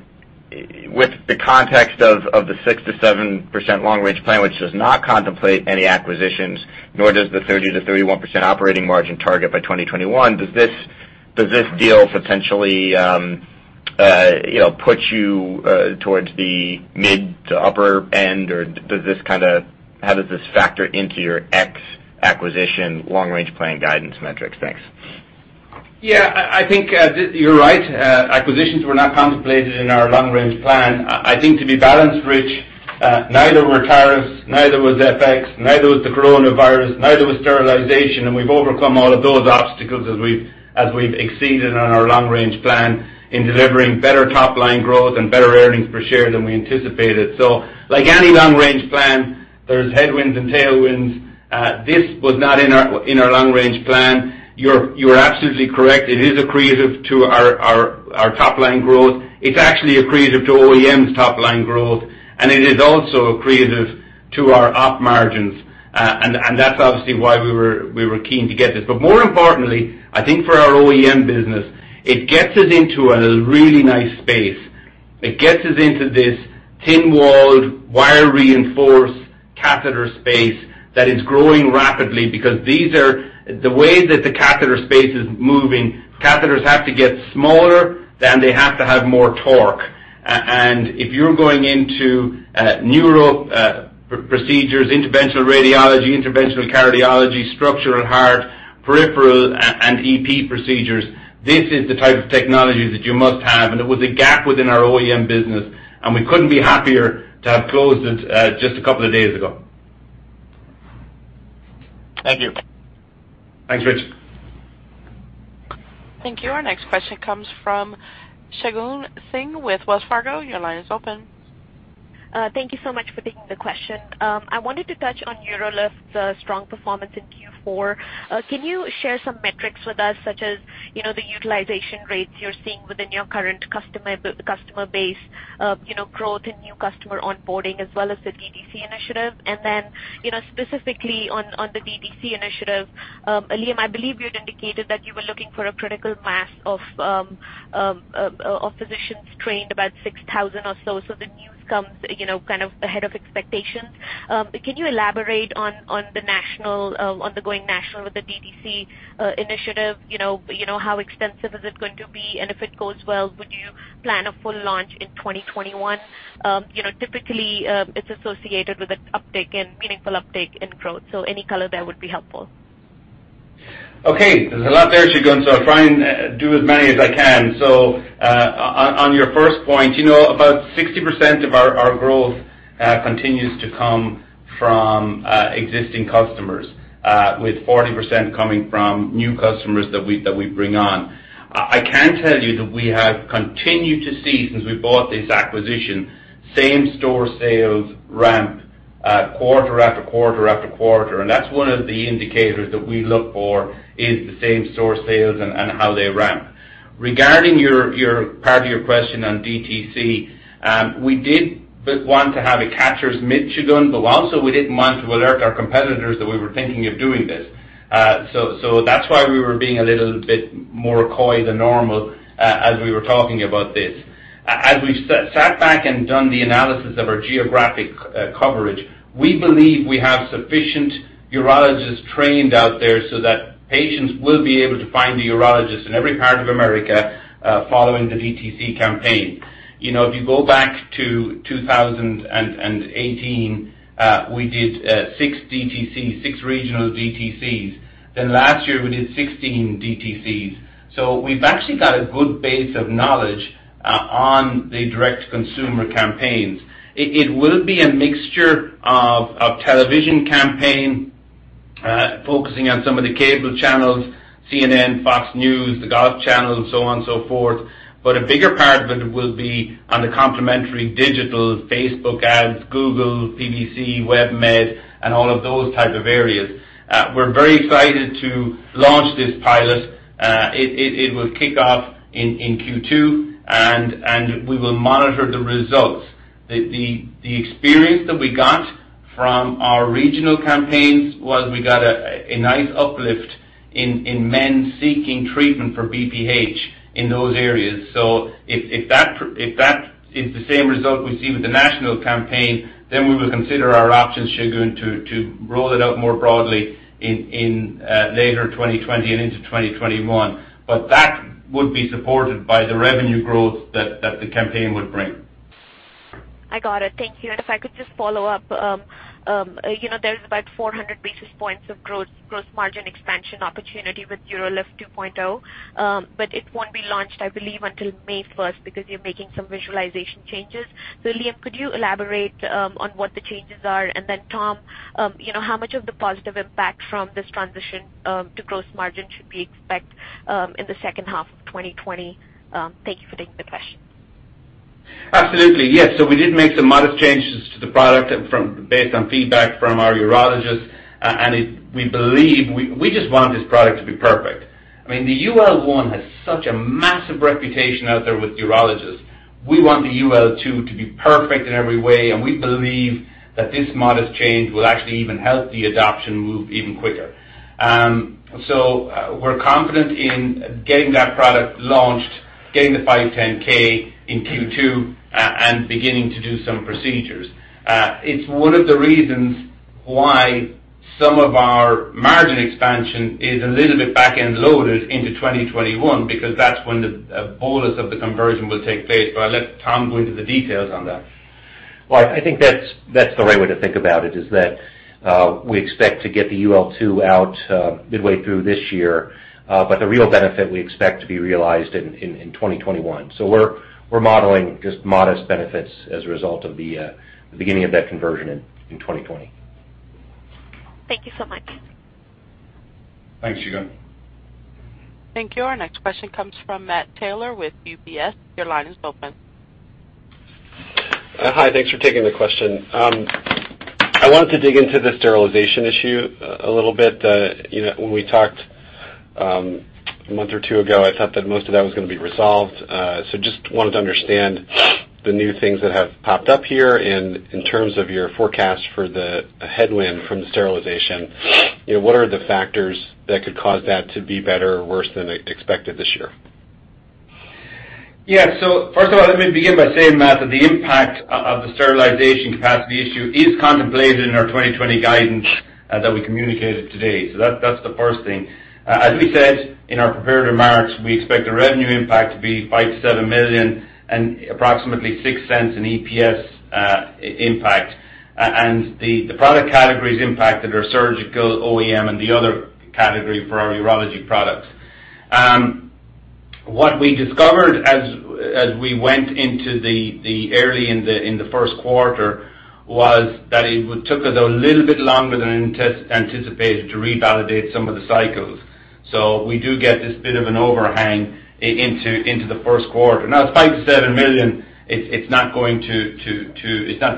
With the context of the 6%-7% long-range plan, which does not contemplate any acquisitions, nor does the 30%-31% operating margin target by 2021, does this deal potentially put you towards the mid to upper end, or how does this factor into your ex-acquisition long-range plan guidance metrics? Thanks.
Yeah. I think you're right. Acquisitions were not contemplated in our long-range plan. I think to be balanced, Rich, neither were tariffs, neither was FX, neither was the coronavirus, neither was sterilization. We've overcome all of those obstacles as we've exceeded on our long-range plan in delivering better top-line growth and better earnings per share than we anticipated. Like any long-range plan, there's headwinds and tailwinds. This was not in our long-range plan. You are absolutely correct. It is accretive to our top-line growth. It's actually accretive to OEM's top-line growth, and it is also accretive to our op margins. That's obviously why we were keen to get this. More importantly, I think for our OEM business, it gets us into a really nice space. It gets us into this thin-walled, wire-reinforced catheter space that is growing rapidly because these are the way that the catheter space is moving. Catheters have to get smaller, then they have to have more torque. If you're going into neuro procedures, interventional radiology, interventional cardiology, structural heart, peripheral, and EP procedures, this is the type of technology that you must have. It was a gap within our OEM business, and we couldn't be happier to have closed it just a couple of days ago.
Thank you.
Thanks, Rich.
Thank you. Our next question comes from Shagun Singh with Wells Fargo. Your line is open.
Thank you so much for taking the question. I wanted to touch on UroLift's strong performance in Q4. Can you share some metrics with us, such as the utilization rates you're seeing within your current customer base, growth in new customer onboarding as well as the DTC initiative? Specifically on the DTC initiative, Liam, I believe you had indicated that you were looking for a critical mass of physicians trained, about 6,000 or so. The news comes kind of ahead of expectations. Can you elaborate on going national with the DTC initiative? How extensive is it going to be? If it goes well, would you plan a full launch in 2021? Typically, it's associated with a meaningful uptick in growth. Any color there would be helpful.
Okay. There's a lot there, Shagun. I'll try and do as many as I can. On your first point, about 60% of our growth continues to come from existing customers, with 40% coming from new customers that we bring on. I can tell you that we have continued to see, since we bought this acquisition, same-store sales ramp quarter after quarter after quarter. That's one of the indicators that we look for is the same-store sales and how they ramp. Regarding part of your question on DTC, we did want to have a catcher's mitt, Shagun, but also, we didn't want to alert our competitors that we were thinking of doing this. That's why we were being a little bit more coy than normal as we were talking about this. As we've sat back and done the analysis of our geographic coverage, we believe we have sufficient urologists trained out there so that patients will be able to find the urologist in every part of America following the DTC campaign. You go back to 2018, we did six regional DTCs. Last year, we did 16 DTCs. We've actually got a good base of knowledge on the direct consumer campaigns. It will be a mixture of television campaigns focusing on some of the cable channels, CNN, Fox News, The Golf Channel, and so on and so forth. A bigger part of it will be on the complementary digital Facebook ads, Google, PPC, WebMD, and all of those type of areas. We're very excited to launch this pilot. It will kick off in Q2, and we will monitor the results. The experience that we got from our regional campaigns was we got a nice uplift in men seeking treatment for BPH in those areas. If that is the same result we see with the national campaign, then we will consider our options, Shagun, to roll it out more broadly in later 2020 and into 2021. That would be supported by the revenue growth that the campaign would bring.
I got it. Thank you. If I could just follow up. There's about 400 basis points of gross margin expansion opportunity with UroLift 2.0. It won't be launched, I believe, until May 1st because you're making some visualization changes. Liam, could you elaborate on what the changes are? Tom, how much of the positive impact from this transition to gross margin should we expect in the second half of 2020? Thank you for taking the question.
Absolutely. Yes. We did make some modest changes to the product based on feedback from our urologists. We just want this product to be perfect. I mean, the UL1 has such a massive reputation out there with urologists. We want the UL2 to be perfect in every way, and we believe that this modest change will actually even help the adoption move even quicker. We're confident in getting that product launched, getting the 510 in Q2, and beginning to do some procedures. It's one of the reasons why some of our margin expansion is a little bit back-end loaded into 2021, because that's when the bolus of the conversion will take place. I'll let Tom go into the details on that.
Well, I think that's the right way to think about it, is that we expect to get the UL 2 out midway through this year. The real benefit we expect to be realized in 2021. We're modeling just modest benefits as a result of the beginning of that conversion in 2020.
Thank you so much.
Thanks, Shagun.
Thank you. Our next question comes from Matt Taylor with UBS. Your line is open.
Hi. Thanks for taking the question. I wanted to dig into the sterilization issue a little bit. When we talked a month or two ago, I thought that most of that was going to be resolved. Just wanted to understand the new things that have popped up here in terms of your forecast for the headwind from the sterilization. What are the factors that could cause that to be better or worse than expected this year?
First of all, let me begin by saying, Matt, that the impact of the sterilization capacity issue is contemplated in our 2020 guidance that we communicated today. That's the first thing. As we said in our prepared remarks, we expect the revenue impact to be $5 million-$7 million and approximately $0.06 in EPS impact. The product categories impacted are surgical OEM and the other category for our urology products. What we discovered as we went into the early in the first quarter was that it took us a little bit longer than anticipated to revalidate some of the cycles. We do get this bit of an overhang into the first quarter. It's $5 million-$7 million. It's not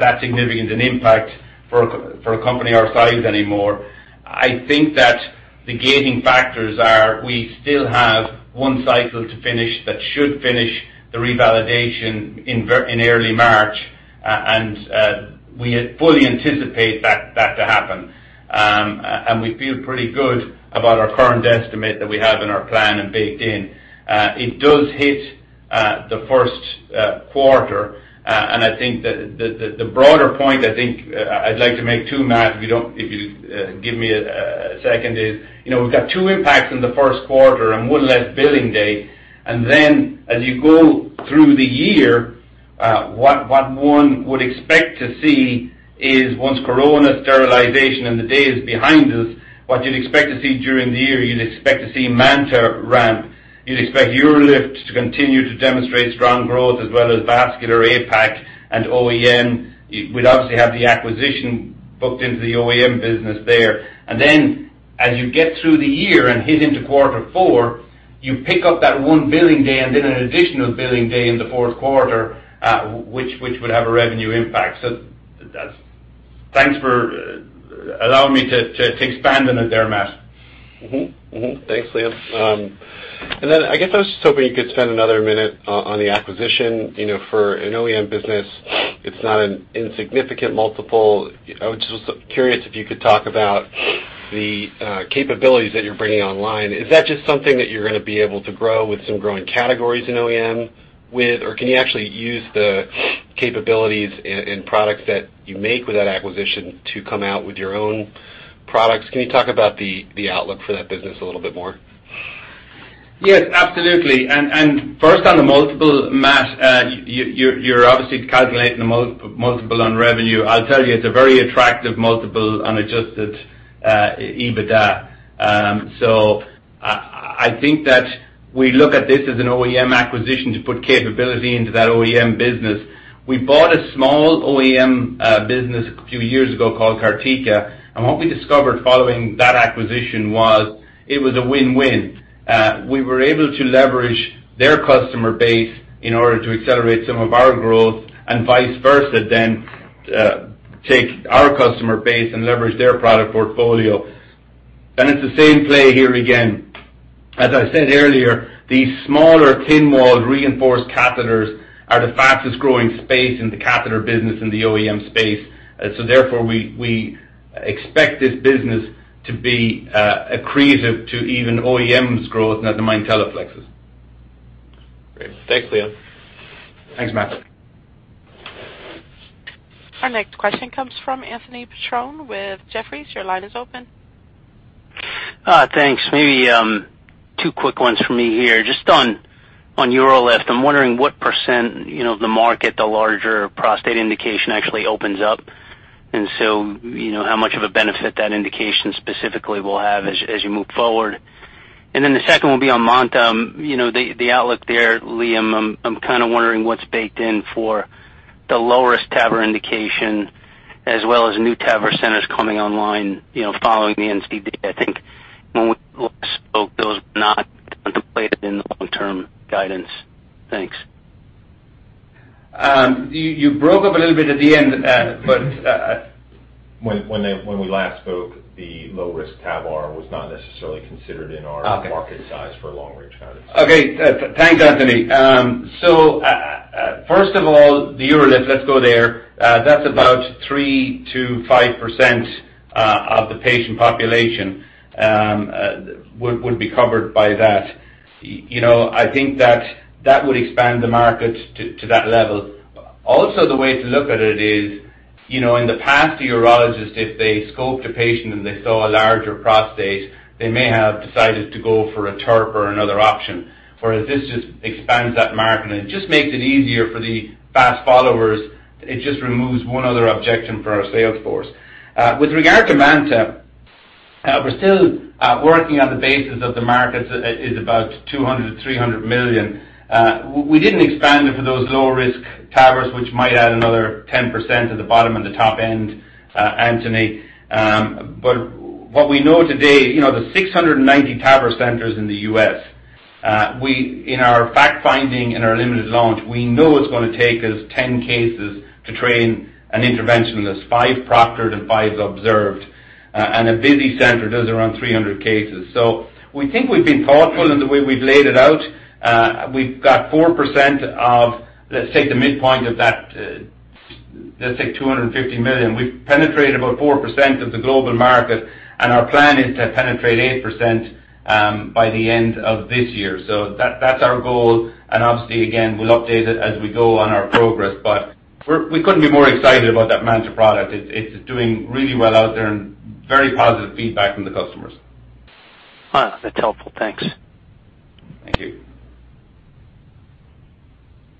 that significant an impact for a company our size anymore. I think that the gating factors are, we still have one cycle to finish that should finish the revalidation in early March, and we fully anticipate that to happen. We feel pretty good about our current estimate that we have in our plan and baked in. It does hit the first quarter. I think the broader point I think I'd like to make too, Matt, if you give me a second, is we've got two impacts in the first quarter and one less billing day. As you go through the year, what one would expect to see is once corona sterilization and the day is behind us, what you'd expect to see during the year, you'd expect to see MANTA ramp. You'd expect UroLift to continue to demonstrate strong growth as well as Vascular APAC and OEM. We'd obviously have the acquisition booked into the OEM business there. Then as you get through the year and hit into quarter four, you pick up that one billing day and then an additional billing day in the fourth quarter, which would have a revenue impact. Thanks for allowing me to expand on it there, Matt.
Mm-hmm. Thanks, Liam. I guess I was just hoping you could spend another minute on the acquisition. For an OEM business, it's not an insignificant multiple. I was just curious if you could talk about the capabilities that you're bringing online. Is that just something that you're going to be able to grow with some growing categories in OEM with, or can you actually use the capabilities and products that you make with that acquisition to come out with your own products? Can you talk about the outlook for that business a little bit more?
Yes, absolutely. First on the multiple, Matt, you're obviously calculating the multiple on revenue. I'll tell you, it's a very attractive multiple on adjusted EBITDA. I think that we look at this as an OEM acquisition to put capability into that OEM business. We bought a small OEM business a few years ago called Cartica, and what we discovered following that acquisition was it was a win-win. We were able to leverage their customer base in order to accelerate some of our growth, and vice versa, then take our customer base and leverage their product portfolio. It's the same play here again. As I said earlier, these smaller thin-walled reinforced catheters are the fastest-growing space in the catheter business in the OEM space. Therefore, we expect this business to be accretive to even OEM's growth, not to mind Teleflex's.
Great. Thanks, Liam.
Thanks, Matt.
Our next question comes from Anthony Petrone with Jefferies. Your line is open.
Thanks. Maybe two quick ones for me here. Just on UroLift, I'm wondering what percentage of the market the larger prostate indication actually opens up, and so how much of a benefit that indication specifically will have as you move forward. The second will be on MANTA. The outlook there, Liam, I'm kind of wondering what's baked in for the lowest TAVR indication as well as new TAVR centers coming online following the NCD. I think when we last spoke, those were not contemplated in the long-term guidance. Thanks.
You broke up a little bit at the end.
When we last spoke, the low-risk TAVR was not necessarily considered in.
Okay
market size for long-range guidance.
Okay. Thanks, Anthony. First of all, the UroLift, let's go there. That's about 3%-5% of the patient population would be covered by that. I think that would expand the market to that level. Also, the way to look at it is, in the past, the urologist, if they scoped a patient and they saw a larger prostate, they may have decided to go for a TURP or another option. Whereas this just expands that market, and it just makes it easier for the fast followers. It just removes one other objection for our sales force. With regard to MANTA, we're still working on the basis of the markets is about $200 million-$300 million. We didn't expand it for those low-risk TAVRs, which might add another 10% at the bottom and the top end, Anthony. What we know today, the 690 TAVR centers in the U.S., in our fact-finding, in our limited launch, we know it's going to take us 10 cases to train an interventionalist, five proctored and five observed. A busy center does around 300 cases. We think we've been thoughtful in the way we've laid it out. We've got 4% of, let's take the midpoint of that, let's take $250 million. We've penetrated about 4% of the global market, and our plan is to penetrate 8% by the end of this year. That's our goal, and obviously, again, we'll update it as we go on our progress. We couldn't be more excited about that MANTA product. It's doing really well out there and very positive feedback from the customers.
Wow. That's helpful. Thanks.
Thank you.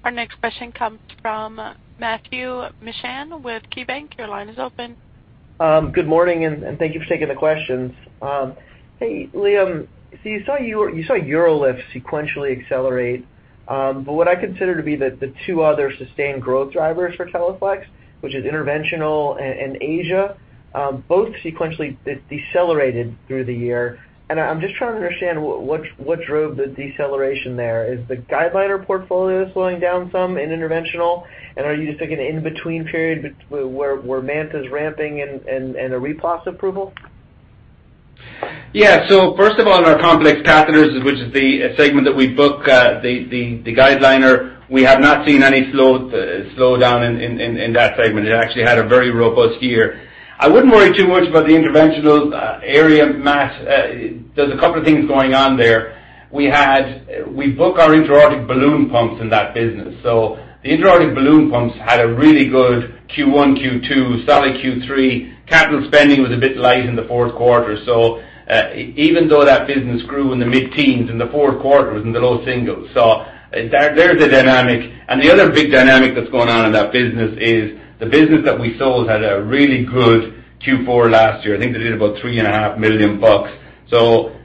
Our next question comes from Matthew Mishan with KeyBanc. Your line is open.
Good morning, thank you for taking the questions. Hey, Liam. You saw UroLift sequentially accelerate, but what I consider to be the two other sustained growth drivers for Teleflex, which is interventional and Asia, both sequentially decelerated through the year. I'm just trying to understand what drove the deceleration there. Is the GuideLiner portfolio slowing down some in interventional? Are you just taking an in-between period where MANTA's ramping and the approval?
Yeah. First of all, in our complex catheters, which is the segment that we book the GuideLiner, we have not seen any slowdown in that segment. It actually had a very robust year. I wouldn't worry too much about the interventional area, Matt. There's a couple of things going on there. We book our intra-aortic balloon pumps in that business. The intra-aortic balloon pumps had a really good Q1, Q2, solid Q3. Capital spending was a bit light in the fourth quarter. Even though that business grew in the mid-teens in the fourth quarter was in the low singles. There's a dynamic. The other big dynamic that's going on in that business is the business that we sold had a really good Q4 last year. I think they did about three and a half million dollars.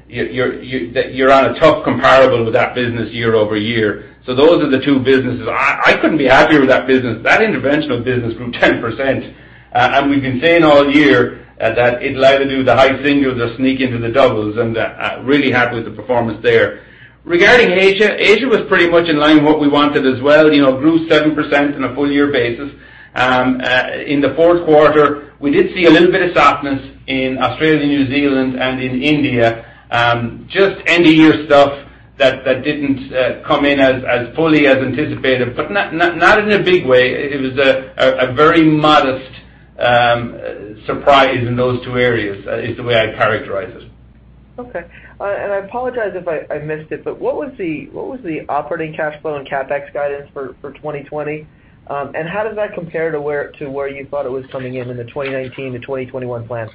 You're on a tough comparable with that business year-over-year. Those are the two businesses. I couldn't be happier with that business. That interventional business grew 10%. We've been saying all year that it'd like to do the high singles or sneak into the doubles, and really happy with the performance there. Regarding Asia was pretty much in line with what we wanted as well. Grew 7% on a full-year basis. In the fourth quarter, we did see a little bit of softness in Australia, New Zealand, and in India. Just end-of-year stuff that didn't come in as fully as anticipated, but not in a big way. It was a very modest surprise in those two areas is the way I'd characterize it.
Okay. I apologize if I missed it, but what was the operating cash flow and CapEx guidance for 2020? How does that compare to where you thought it was coming in in the 2019 to 2021 plan?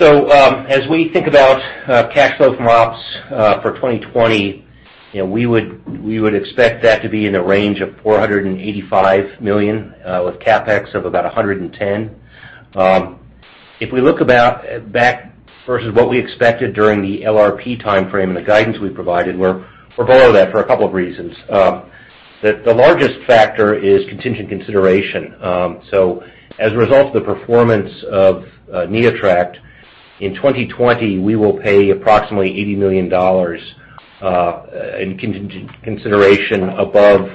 As we think about cash flow from ops for 2020. We would expect that to be in the range of $485 million with CapEx of about $110. If we look back versus what we expected during the LRP timeframe and the guidance we provided, we're below that for a couple of reasons. The largest factor is contingent consideration. As a result of the performance of NeoTract, in 2020, we will pay approximately $80 million in contingent consideration above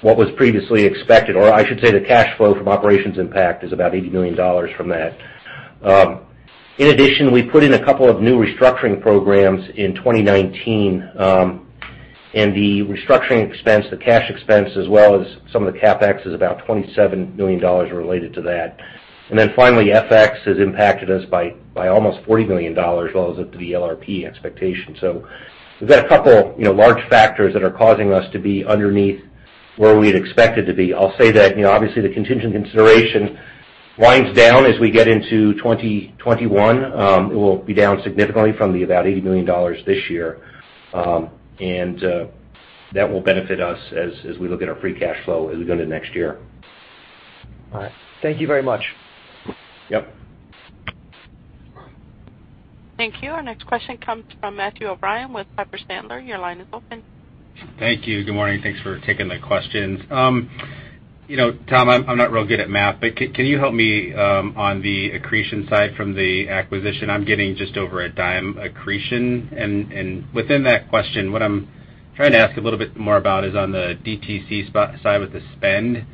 what was previously expected, or I should say the cash flow from operations impact is about $80 million from that. In addition, we put in a couple of new restructuring programs in 2019. The restructuring expense, the cash expense, as well as some of the CapEx, is about $27 million related to that. Finally, FX has impacted us by almost $40 million relative to the LRP expectation. we've got a couple large factors that are causing us to be underneath where we had expected to be. I'll say that obviously, the contingent consideration winds down as we get into 2021. It will be down significantly from the about $80 million this year. that will benefit us as we look at our free cash flow as we go into next year.
All right. Thank you very much.
Yep.
Thank you. Our next question comes from Matthew O'Brien with Piper Sandler. Your line is open.
Thank you. Good morning. Thanks for taking the questions. Tom, I'm not real good at math, but can you help me on the accretion side from the acquisition? I'm getting just over a dime accretion. Within that question, what I'm trying to ask a little bit more about is on the DTC side with the spend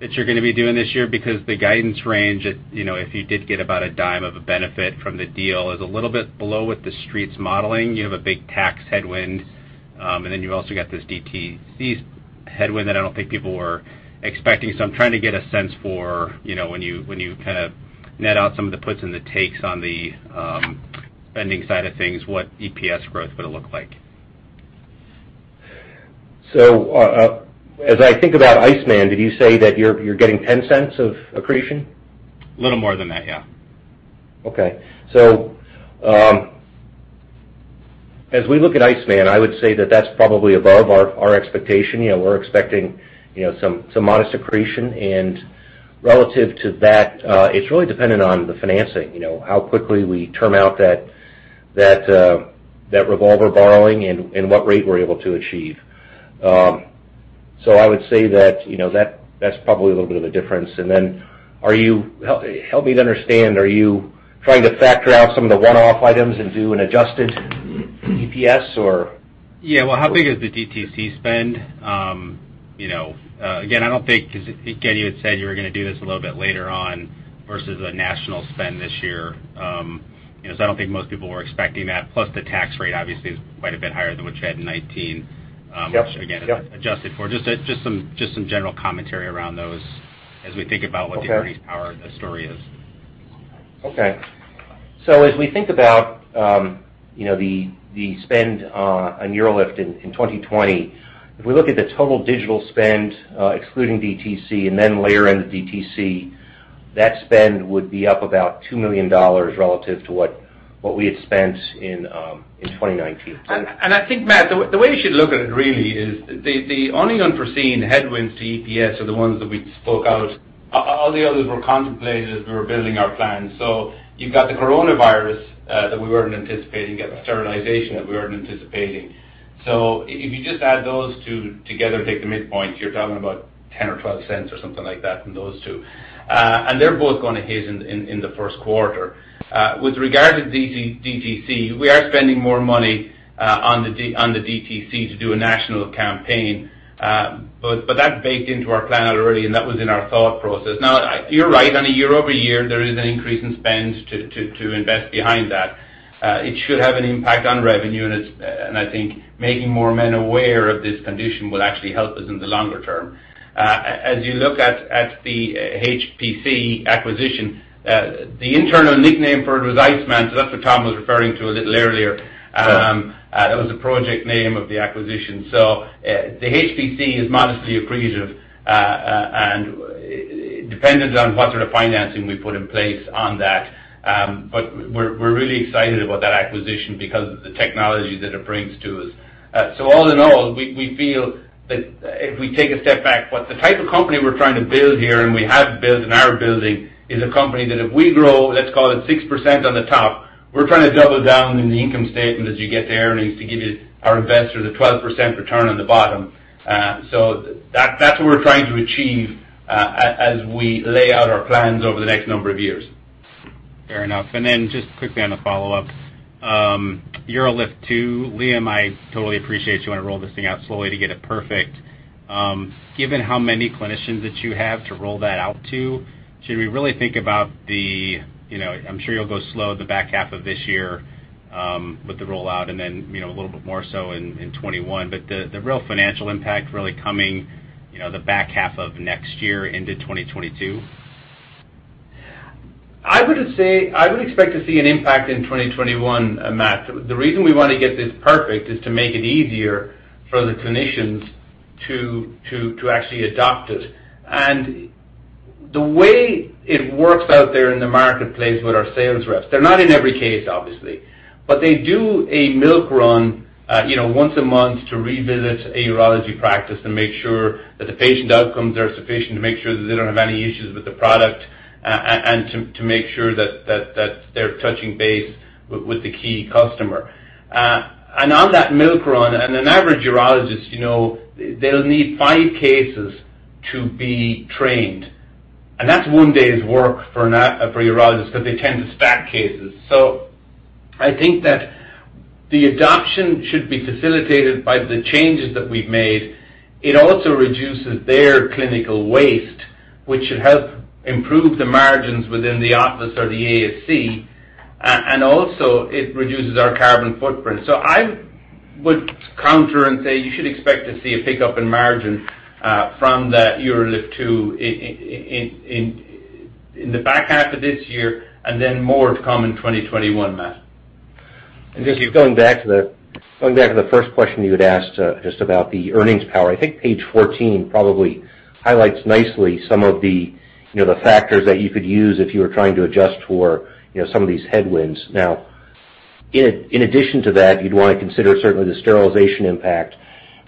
that you're going to be doing this year, because the guidance range, if you did get about a dime of a benefit from the deal, is a little bit below what the Street's modeling. You have a big tax headwind, and then you've also got this DTC headwind that I don't think people were expecting. I'm trying to get a sense for when you kind of net out some of the puts and the takes on the spending side of things, what EPS growth is going to look like. As I think about Z-Medica, did you say that you're getting $0.10 of accretion?
A little more than that, yeah.
Okay. As we look at Z-Medica, I would say that that's probably above our expectation. We're expecting some modest accretion. Relative to that, it's really dependent on the financing. How quickly we term out that revolver borrowing and what rate we're able to achieve. I would say that's probably a little bit of a difference. Help me to understand, are you trying to factor out some of the one-off items and do an adjusted EPS or?
Yeah. Well, how big is the DTC spend? Again, I don't think, because Kelly had said you were going to do this a little bit later on versus a national spend this year. I don't think most people were expecting that. Plus, the tax rate obviously is quite a bit higher than what you had in '19-
Yep which again, adjusted for. Just some general commentary around those as we think about what the earnings power story is.
Okay. As we think about the spend on UroLift in 2020, if we look at the total digital spend, excluding DTC, and then layer in the DTC, that spend would be up about $2 million relative to what we had spent in 2019.
I think, Matt, the way you should look at it really is the only unforeseen headwinds to EPS are the ones that we spoke out. All the others were contemplated as we were building our plan. You've got the coronavirus that we weren't anticipating, you got the sterilization that we weren't anticipating. If you just add those two together and take the midpoint, you're talking about $0.10 or $0.12 or something like that from those two. They're both going to hit in the first quarter. With regard to DTC, we are spending more money on the DTC to do a national campaign. That's baked into our plan already, and that was in our thought process. Now, you're right. On a year-over-year, there is an increase in spend to invest behind that. It should have an impact on revenue, and I think making more men aware of this condition will actually help us in the longer term. As you look at the HPC acquisition, the internal nickname for it was Iceman, so that's what Tom was referring to a little earlier.
Sure.
That was the project name of the acquisition. The HPC is modestly accretive and dependent on what sort of financing we put in place on that. We're really excited about that acquisition because of the technology that it brings to us. All in all, we feel that if we take a step back, what the type of company we're trying to build here and we have built and are building is a company that if we grow, let's call it 6% on the top, we're trying to double down in the income statement as you get the earnings to give our investors a 12% return on the bottom. That's what we're trying to achieve as we lay out our plans over the next number of years.
Fair enough. Just quickly on a follow-up. UroLift too, Liam, I totally appreciate you want to roll this thing out slowly to get it perfect. Given how many clinicians that you have to roll that out to, should we really think about. I'm sure you'll go slow the back half of this year with the rollout, and then a little bit more so in 2021, but the real financial impact really coming the back half of next year into 2022?
I would expect to see an impact in 2021, Matt. The reason we want to get this perfect is to make it easier for the clinicians to actually adopt it. The way it works out there in the marketplace with our sales reps, they're not in every case, obviously, but they do a milk run once a month to revisit a urology practice to make sure that the patient outcomes are sufficient, to make sure that they don't have any issues with the product, and to make sure that they're touching base with the key customer. On that milk run, and an average urologist, they'll need five cases to be trained. That's one day's work for a urologist because they tend to stack cases. I think that the adoption should be facilitated by the changes that we've made. It also reduces their clinical waste, which should help improve the margins within the office or the ASC. it reduces our carbon footprint. I would counter and say you should expect to see a pickup in margin from that UroLift 2 in the back half of this year, and then more to come in 2021, Matt.
Just going back to the first question you had asked just about the earnings power. I think page 14 probably highlights nicely some of the factors that you could use if you were trying to adjust for some of these headwinds. Now, in addition to that, you'd want to consider certainly the sterilization impact,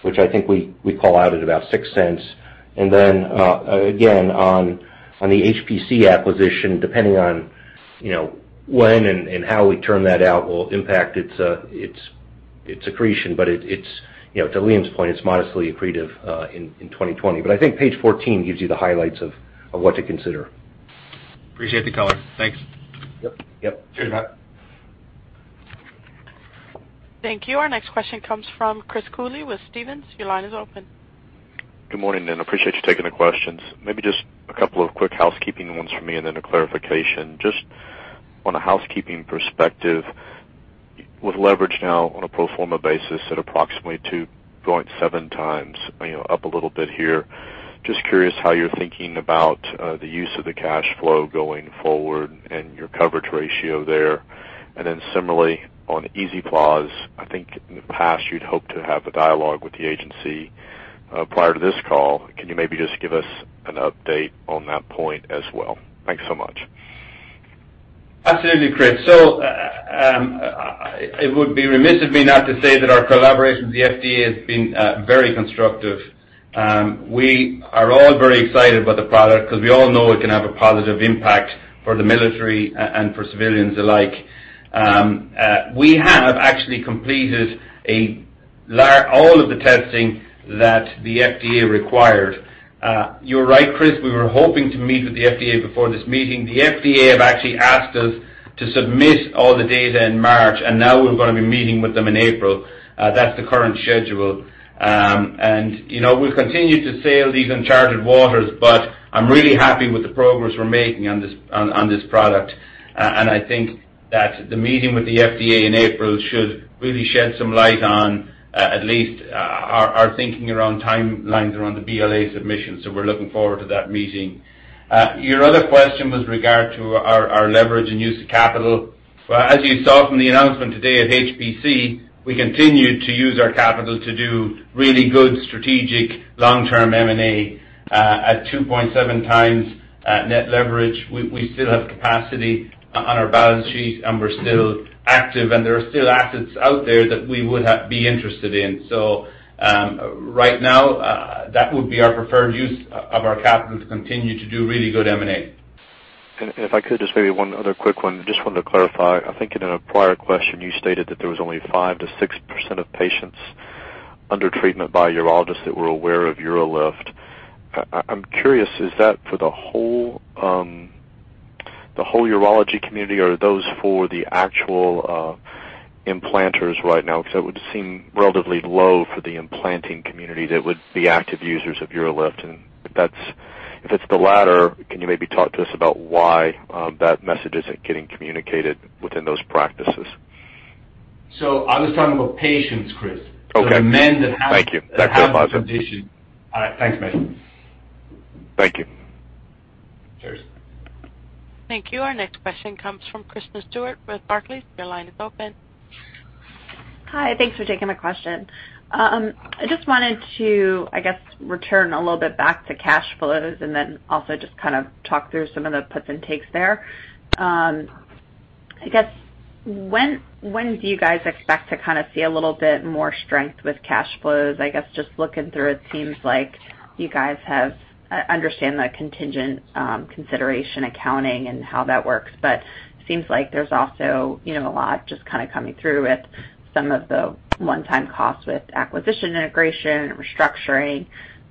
which I think we call out at about $0.06. Again, on the HPC acquisition, depending on when and how we turn that out will impact its accretion. To Liam's point, it's modestly accretive in 2020. I think page 14 gives you the highlights of what to consider.
Appreciate the color. Thanks.
Yep.
Cheers, Matt.
Thank you. Our next question comes from Chris Cooley with Stephens. Your line is open.
Good morning, and appreciate you taking the questions. Maybe just a couple of quick housekeeping ones for me and then a clarification. Just on a housekeeping perspective, with leverage now on a pro forma basis at approximately 2.7x, up a little bit here. Just curious how you're thinking about the use of the cash flow going forward and your coverage ratio there. Similarly on EZ-Pause, I think in the past you'd hoped to have a dialogue with the agency prior to this call. Can you maybe just give us an update on that point as well? Thanks so much.
Absolutely, Chris. It would be remiss of me not to say that our collaboration with the FDA has been very constructive. We are all very excited about the product because we all know it can have a positive impact for the military and for civilians alike. We have actually completed all of the testing that the FDA required. You're right, Chris. We were hoping to meet with the FDA before this meeting. The FDA have actually asked us to submit all the data in March, and now we're going to be meeting with them in April. That's the current schedule. We've continued to sail these uncharted waters, but I'm really happy with the progress we're making on this product. I think that the meeting with the FDA in April should really shed some light on at least our thinking around timelines around the BLA submission. We're looking forward to that meeting. Your other question was regarding to our leverage and use of capital. As you saw from the announcement today at HPC, we continued to use our capital to do really good strategic long-term M&A at 2.7x net leverage. We still have capacity on our balance sheet and we're still active and there are still assets out there that we would be interested in. Right now, that would be our preferred use of our capital to continue to do really good M&A.
If I could just maybe one other quick one. Just wanted to clarify. I think in a prior question you stated that there was only 5%-6% of patients under treatment by urologists that were aware of UroLift. I'm curious, is that for the whole urology community or are those for the actual implanters right now? Because that would seem relatively low for the implanting community that would be active users of UroLift. If it's the latter, can you maybe talk to us about why that message isn't getting communicated within those practices?
I was talking about patients, Chris.
Okay.
The men that have-
Thank you.
That have the condition. All right. Thanks, man.
Thank you.
Cheers.
Thank you. Our next question comes from Kristen Stewart with Barclays. Your line is open.
Hi. Thanks for taking my question. I just wanted to, I guess, return a little bit back to cash flows and then also just kind of talk through some of the puts and takes there. I guess when do you guys expect to kind of see a little bit more strength with cash flows? I guess just looking through it seems like you guys understand the contingent consideration accounting and how that works, but seems like there's also a lot just kind of coming through with some of the one-time costs with acquisition integration, restructuring.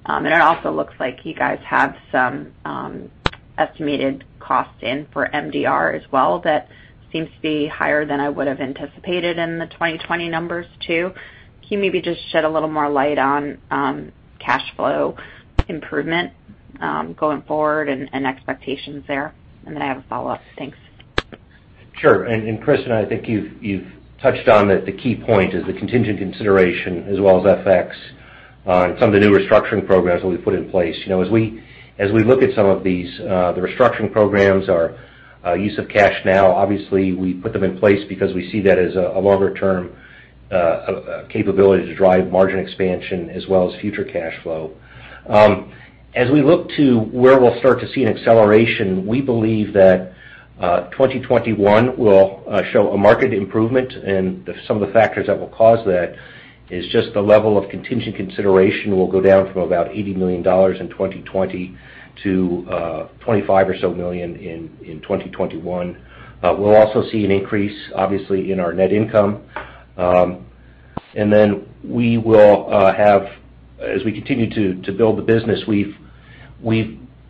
It also looks like you guys have some estimated costs in for MDR as well. That seems to be higher than I would have anticipated in the 2020 numbers too. Can you maybe just shed a little more light on cash flow improvement going forward and expectations there? I have a follow-up. Thanks.
Sure. Kristen, I think you've touched on that the key point is the contingent consideration as well as FX and some of the new restructuring programs that we put in place. As we look at some of these, the restructuring programs, our use of cash now, obviously we put them in place because we see that as a longer-term capability to drive margin expansion as well as future cash flow. As we look to where we'll start to see an acceleration, we believe that 2021 will show a marked improvement, and some of the factors that will cause that is just the level of contingent consideration will go down from about $80 million in 2020 to 25 or so million in 2021. We'll also see an increase, obviously, in our net income. As we continue to build the business, we've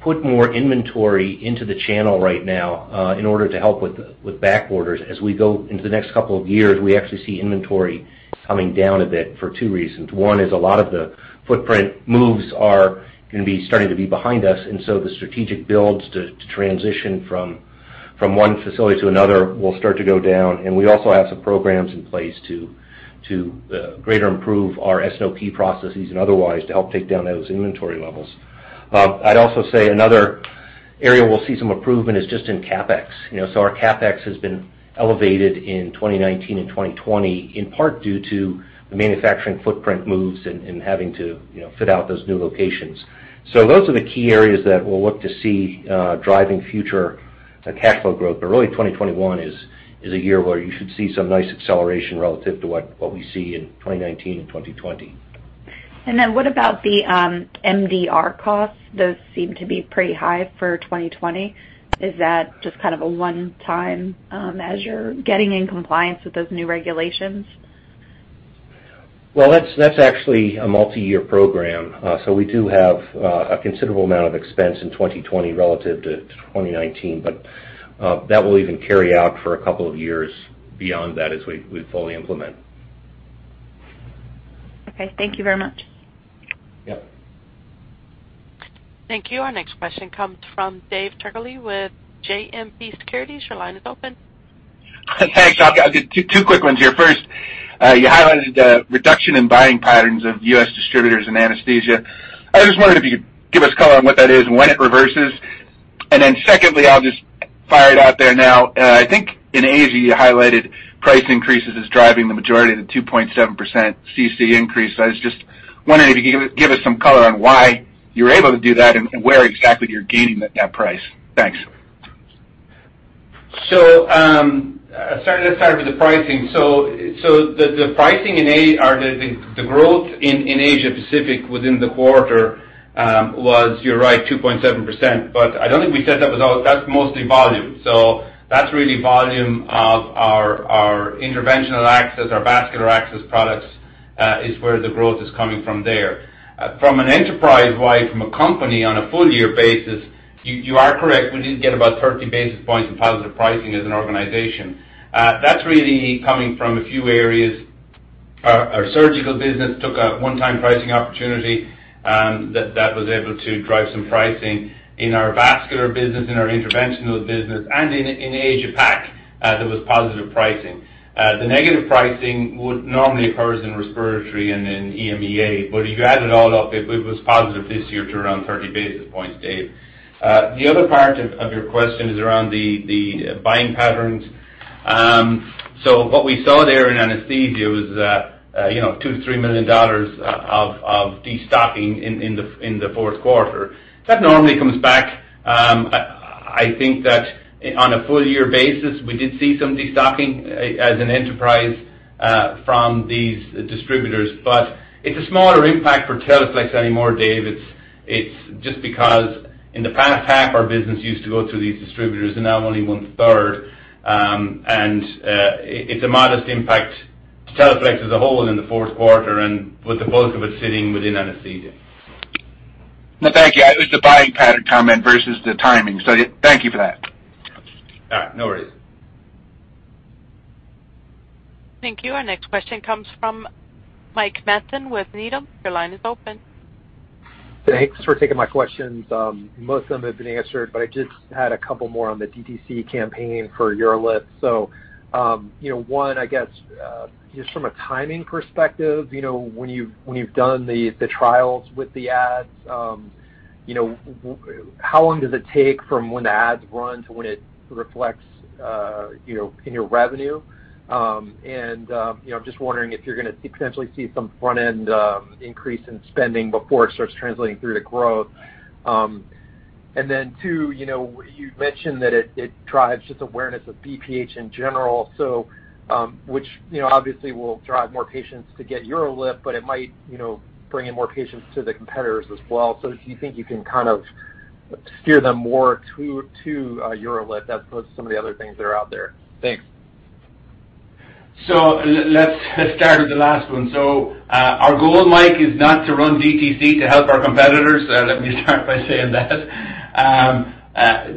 put more inventory into the channel right now in order to help with back orders. As we go into the next couple of years, we actually see inventory coming down a bit for two reasons. One is a lot of the footprint moves are going to be starting to be behind us, and so the strategic builds to transition from one facility to another will start to go down. We also have some programs in place to greatly improve our S&OP processes and otherwise to help take down those inventory levels. I'd also say another area we'll see some improvement is just in CapEx. Our CapEx has been elevated in 2019 and 2020, in part due to the manufacturing footprint moves and having to fit out those new locations. Those are the key areas that we'll look to see driving future cash flow growth. really, 2021 is a year where you should see some nice acceleration relative to what we see in 2019 and 2020.
what about the MDR costs? Those seem to be pretty high for 2020. Is that just kind of a one-time measure, getting in compliance with those new regulations?
Well, that's actually a multi-year program. We do have a considerable amount of expense in 2020 relative to 2019, but that will even carry out for a couple of years beyond that as we fully implement.
Okay. Thank you very much.
Yep.
Thank you. Our next question comes from David Turkaly with JMP Securities. Your line is open.
Thanks. I'll give two quick ones here. First, you highlighted the reduction in buying patterns of U.S. distributors in anesthesia. I just wondered if you could give us color on what that is and when it reverses. secondly, I'll just fire it out there now. I think in Asia, you highlighted price increases as driving the majority of the 2.7% CC increase. I was just wondering if you could give us some color on why you were able to do that and where exactly you're gaining that net price. Thanks.
Let's start with the pricing. the growth in Asia Pacific within the quarter was, you're right, 2.7%, but I don't think we said that was all That's mostly volume. that's really volume of our interventional access, our vascular access products is where the growth is coming from there. From an enterprise-wide, from a company on a full-year basis, you are correct, we did get about 30 basis points in positive pricing as an organization. That's really coming from a few areas. Our surgical business took a one-time pricing opportunity that was able to drive some pricing in our vascular business, in our interventional business, and in Asia PAC, there was positive pricing. The negative pricing would normally occurs in respiratory and in EMEA, but if you add it all up, it was positive this year to around 30 basis points, Dave. The other part of your question is around the buying patterns. What we saw there in anesthesia was $2million- $3 million of de-stocking in the fourth quarter. That normally comes back. I think that on a full-year basis, we did see some de-stocking as an enterprise from these distributors. It's a smaller impact for Teleflex anymore, Dave. It's just because in the past half, our business used to go through these distributors and now only one-third. It's a modest impact to Teleflex as a whole in the fourth quarter and with the bulk of it sitting within anesthesia.
No, thank you. It was the buying pattern comment versus the timing. Thank you for that.
All right. No worries.
Thank you. Our next question comes from Mike Matson with Needham. Your line is open.
Thanks for taking my questions. Most of them have been answered, but I just had a couple more on the DTC campaign for UroLift. one, I guess, just from a timing perspective, when you've done the trials with the ads, how long does it take from when the ads run to when it reflects in your revenue? just wondering if you're going to potentially see some front-end increase in spending before it starts translating through to growth. two, you mentioned that it drives just awareness of BPH in general, so which obviously will drive more patients to get UroLift, but it might bring in more patients to the competitors as well. do you think you can kind of steer them more to UroLift as opposed to some of the other things that are out there? Thanks.
Let's start with the last one. Our goal, Mike, is not to run DTC to help our competitors. Let me start by saying that.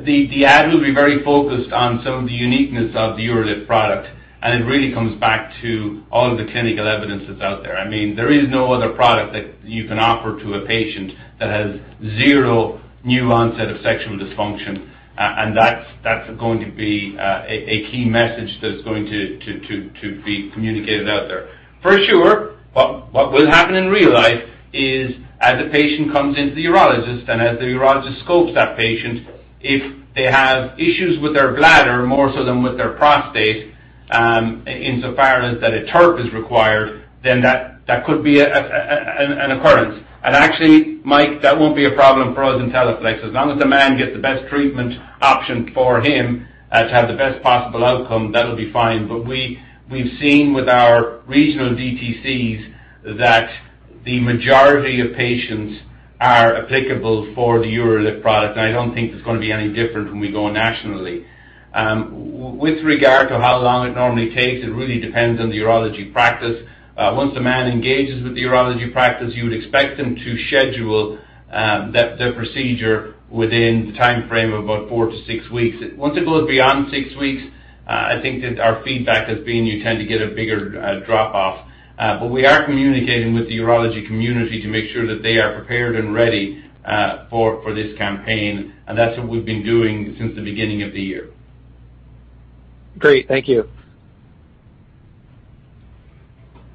The ad will be very focused on some of the uniqueness of the UroLift product, and it really comes back to all of the clinical evidence that's out there. There is no other product that you can offer to a patient that has zero new onset of sexual dysfunction, and that's going to be a key message that's going to be communicated out there. For sure, what will happen in real life is as a patient comes into the urologist and as the urologist scopes that patient, if they have issues with their bladder more so than with their prostate, insofar as that a TURP is required, then that could be an occurrence. Actually, Mike, that won't be a problem for us in Teleflex. As long as the man gets the best treatment option for him to have the best possible outcome, that'll be fine. we've seen with our regional DTCs that the majority of patients are applicable for the UroLift product, and I don't think it's going to be any different when we go nationally. With regard to how long it normally takes, it really depends on the urology practice. Once the man engages with the urology practice, you would expect them to schedule the procedure within the time frame of about four to six weeks. Once it goes beyond six weeks, I think that our feedback has been you tend to get a bigger drop-off. We are communicating with the urology community to make sure that they are prepared and ready for this campaign, and that's what we've been doing since the beginning of the year.
Great. Thank you.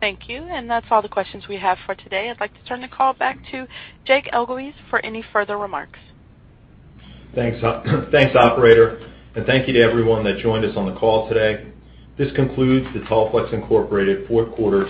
Thank you. That's all the questions we have for today. I'd like to turn the call back to Jake Elguicze for any further remarks.
Thanks, operator, and thank you to everyone that joined us on the call today. This concludes the Teleflex Incorporated fourth quarter-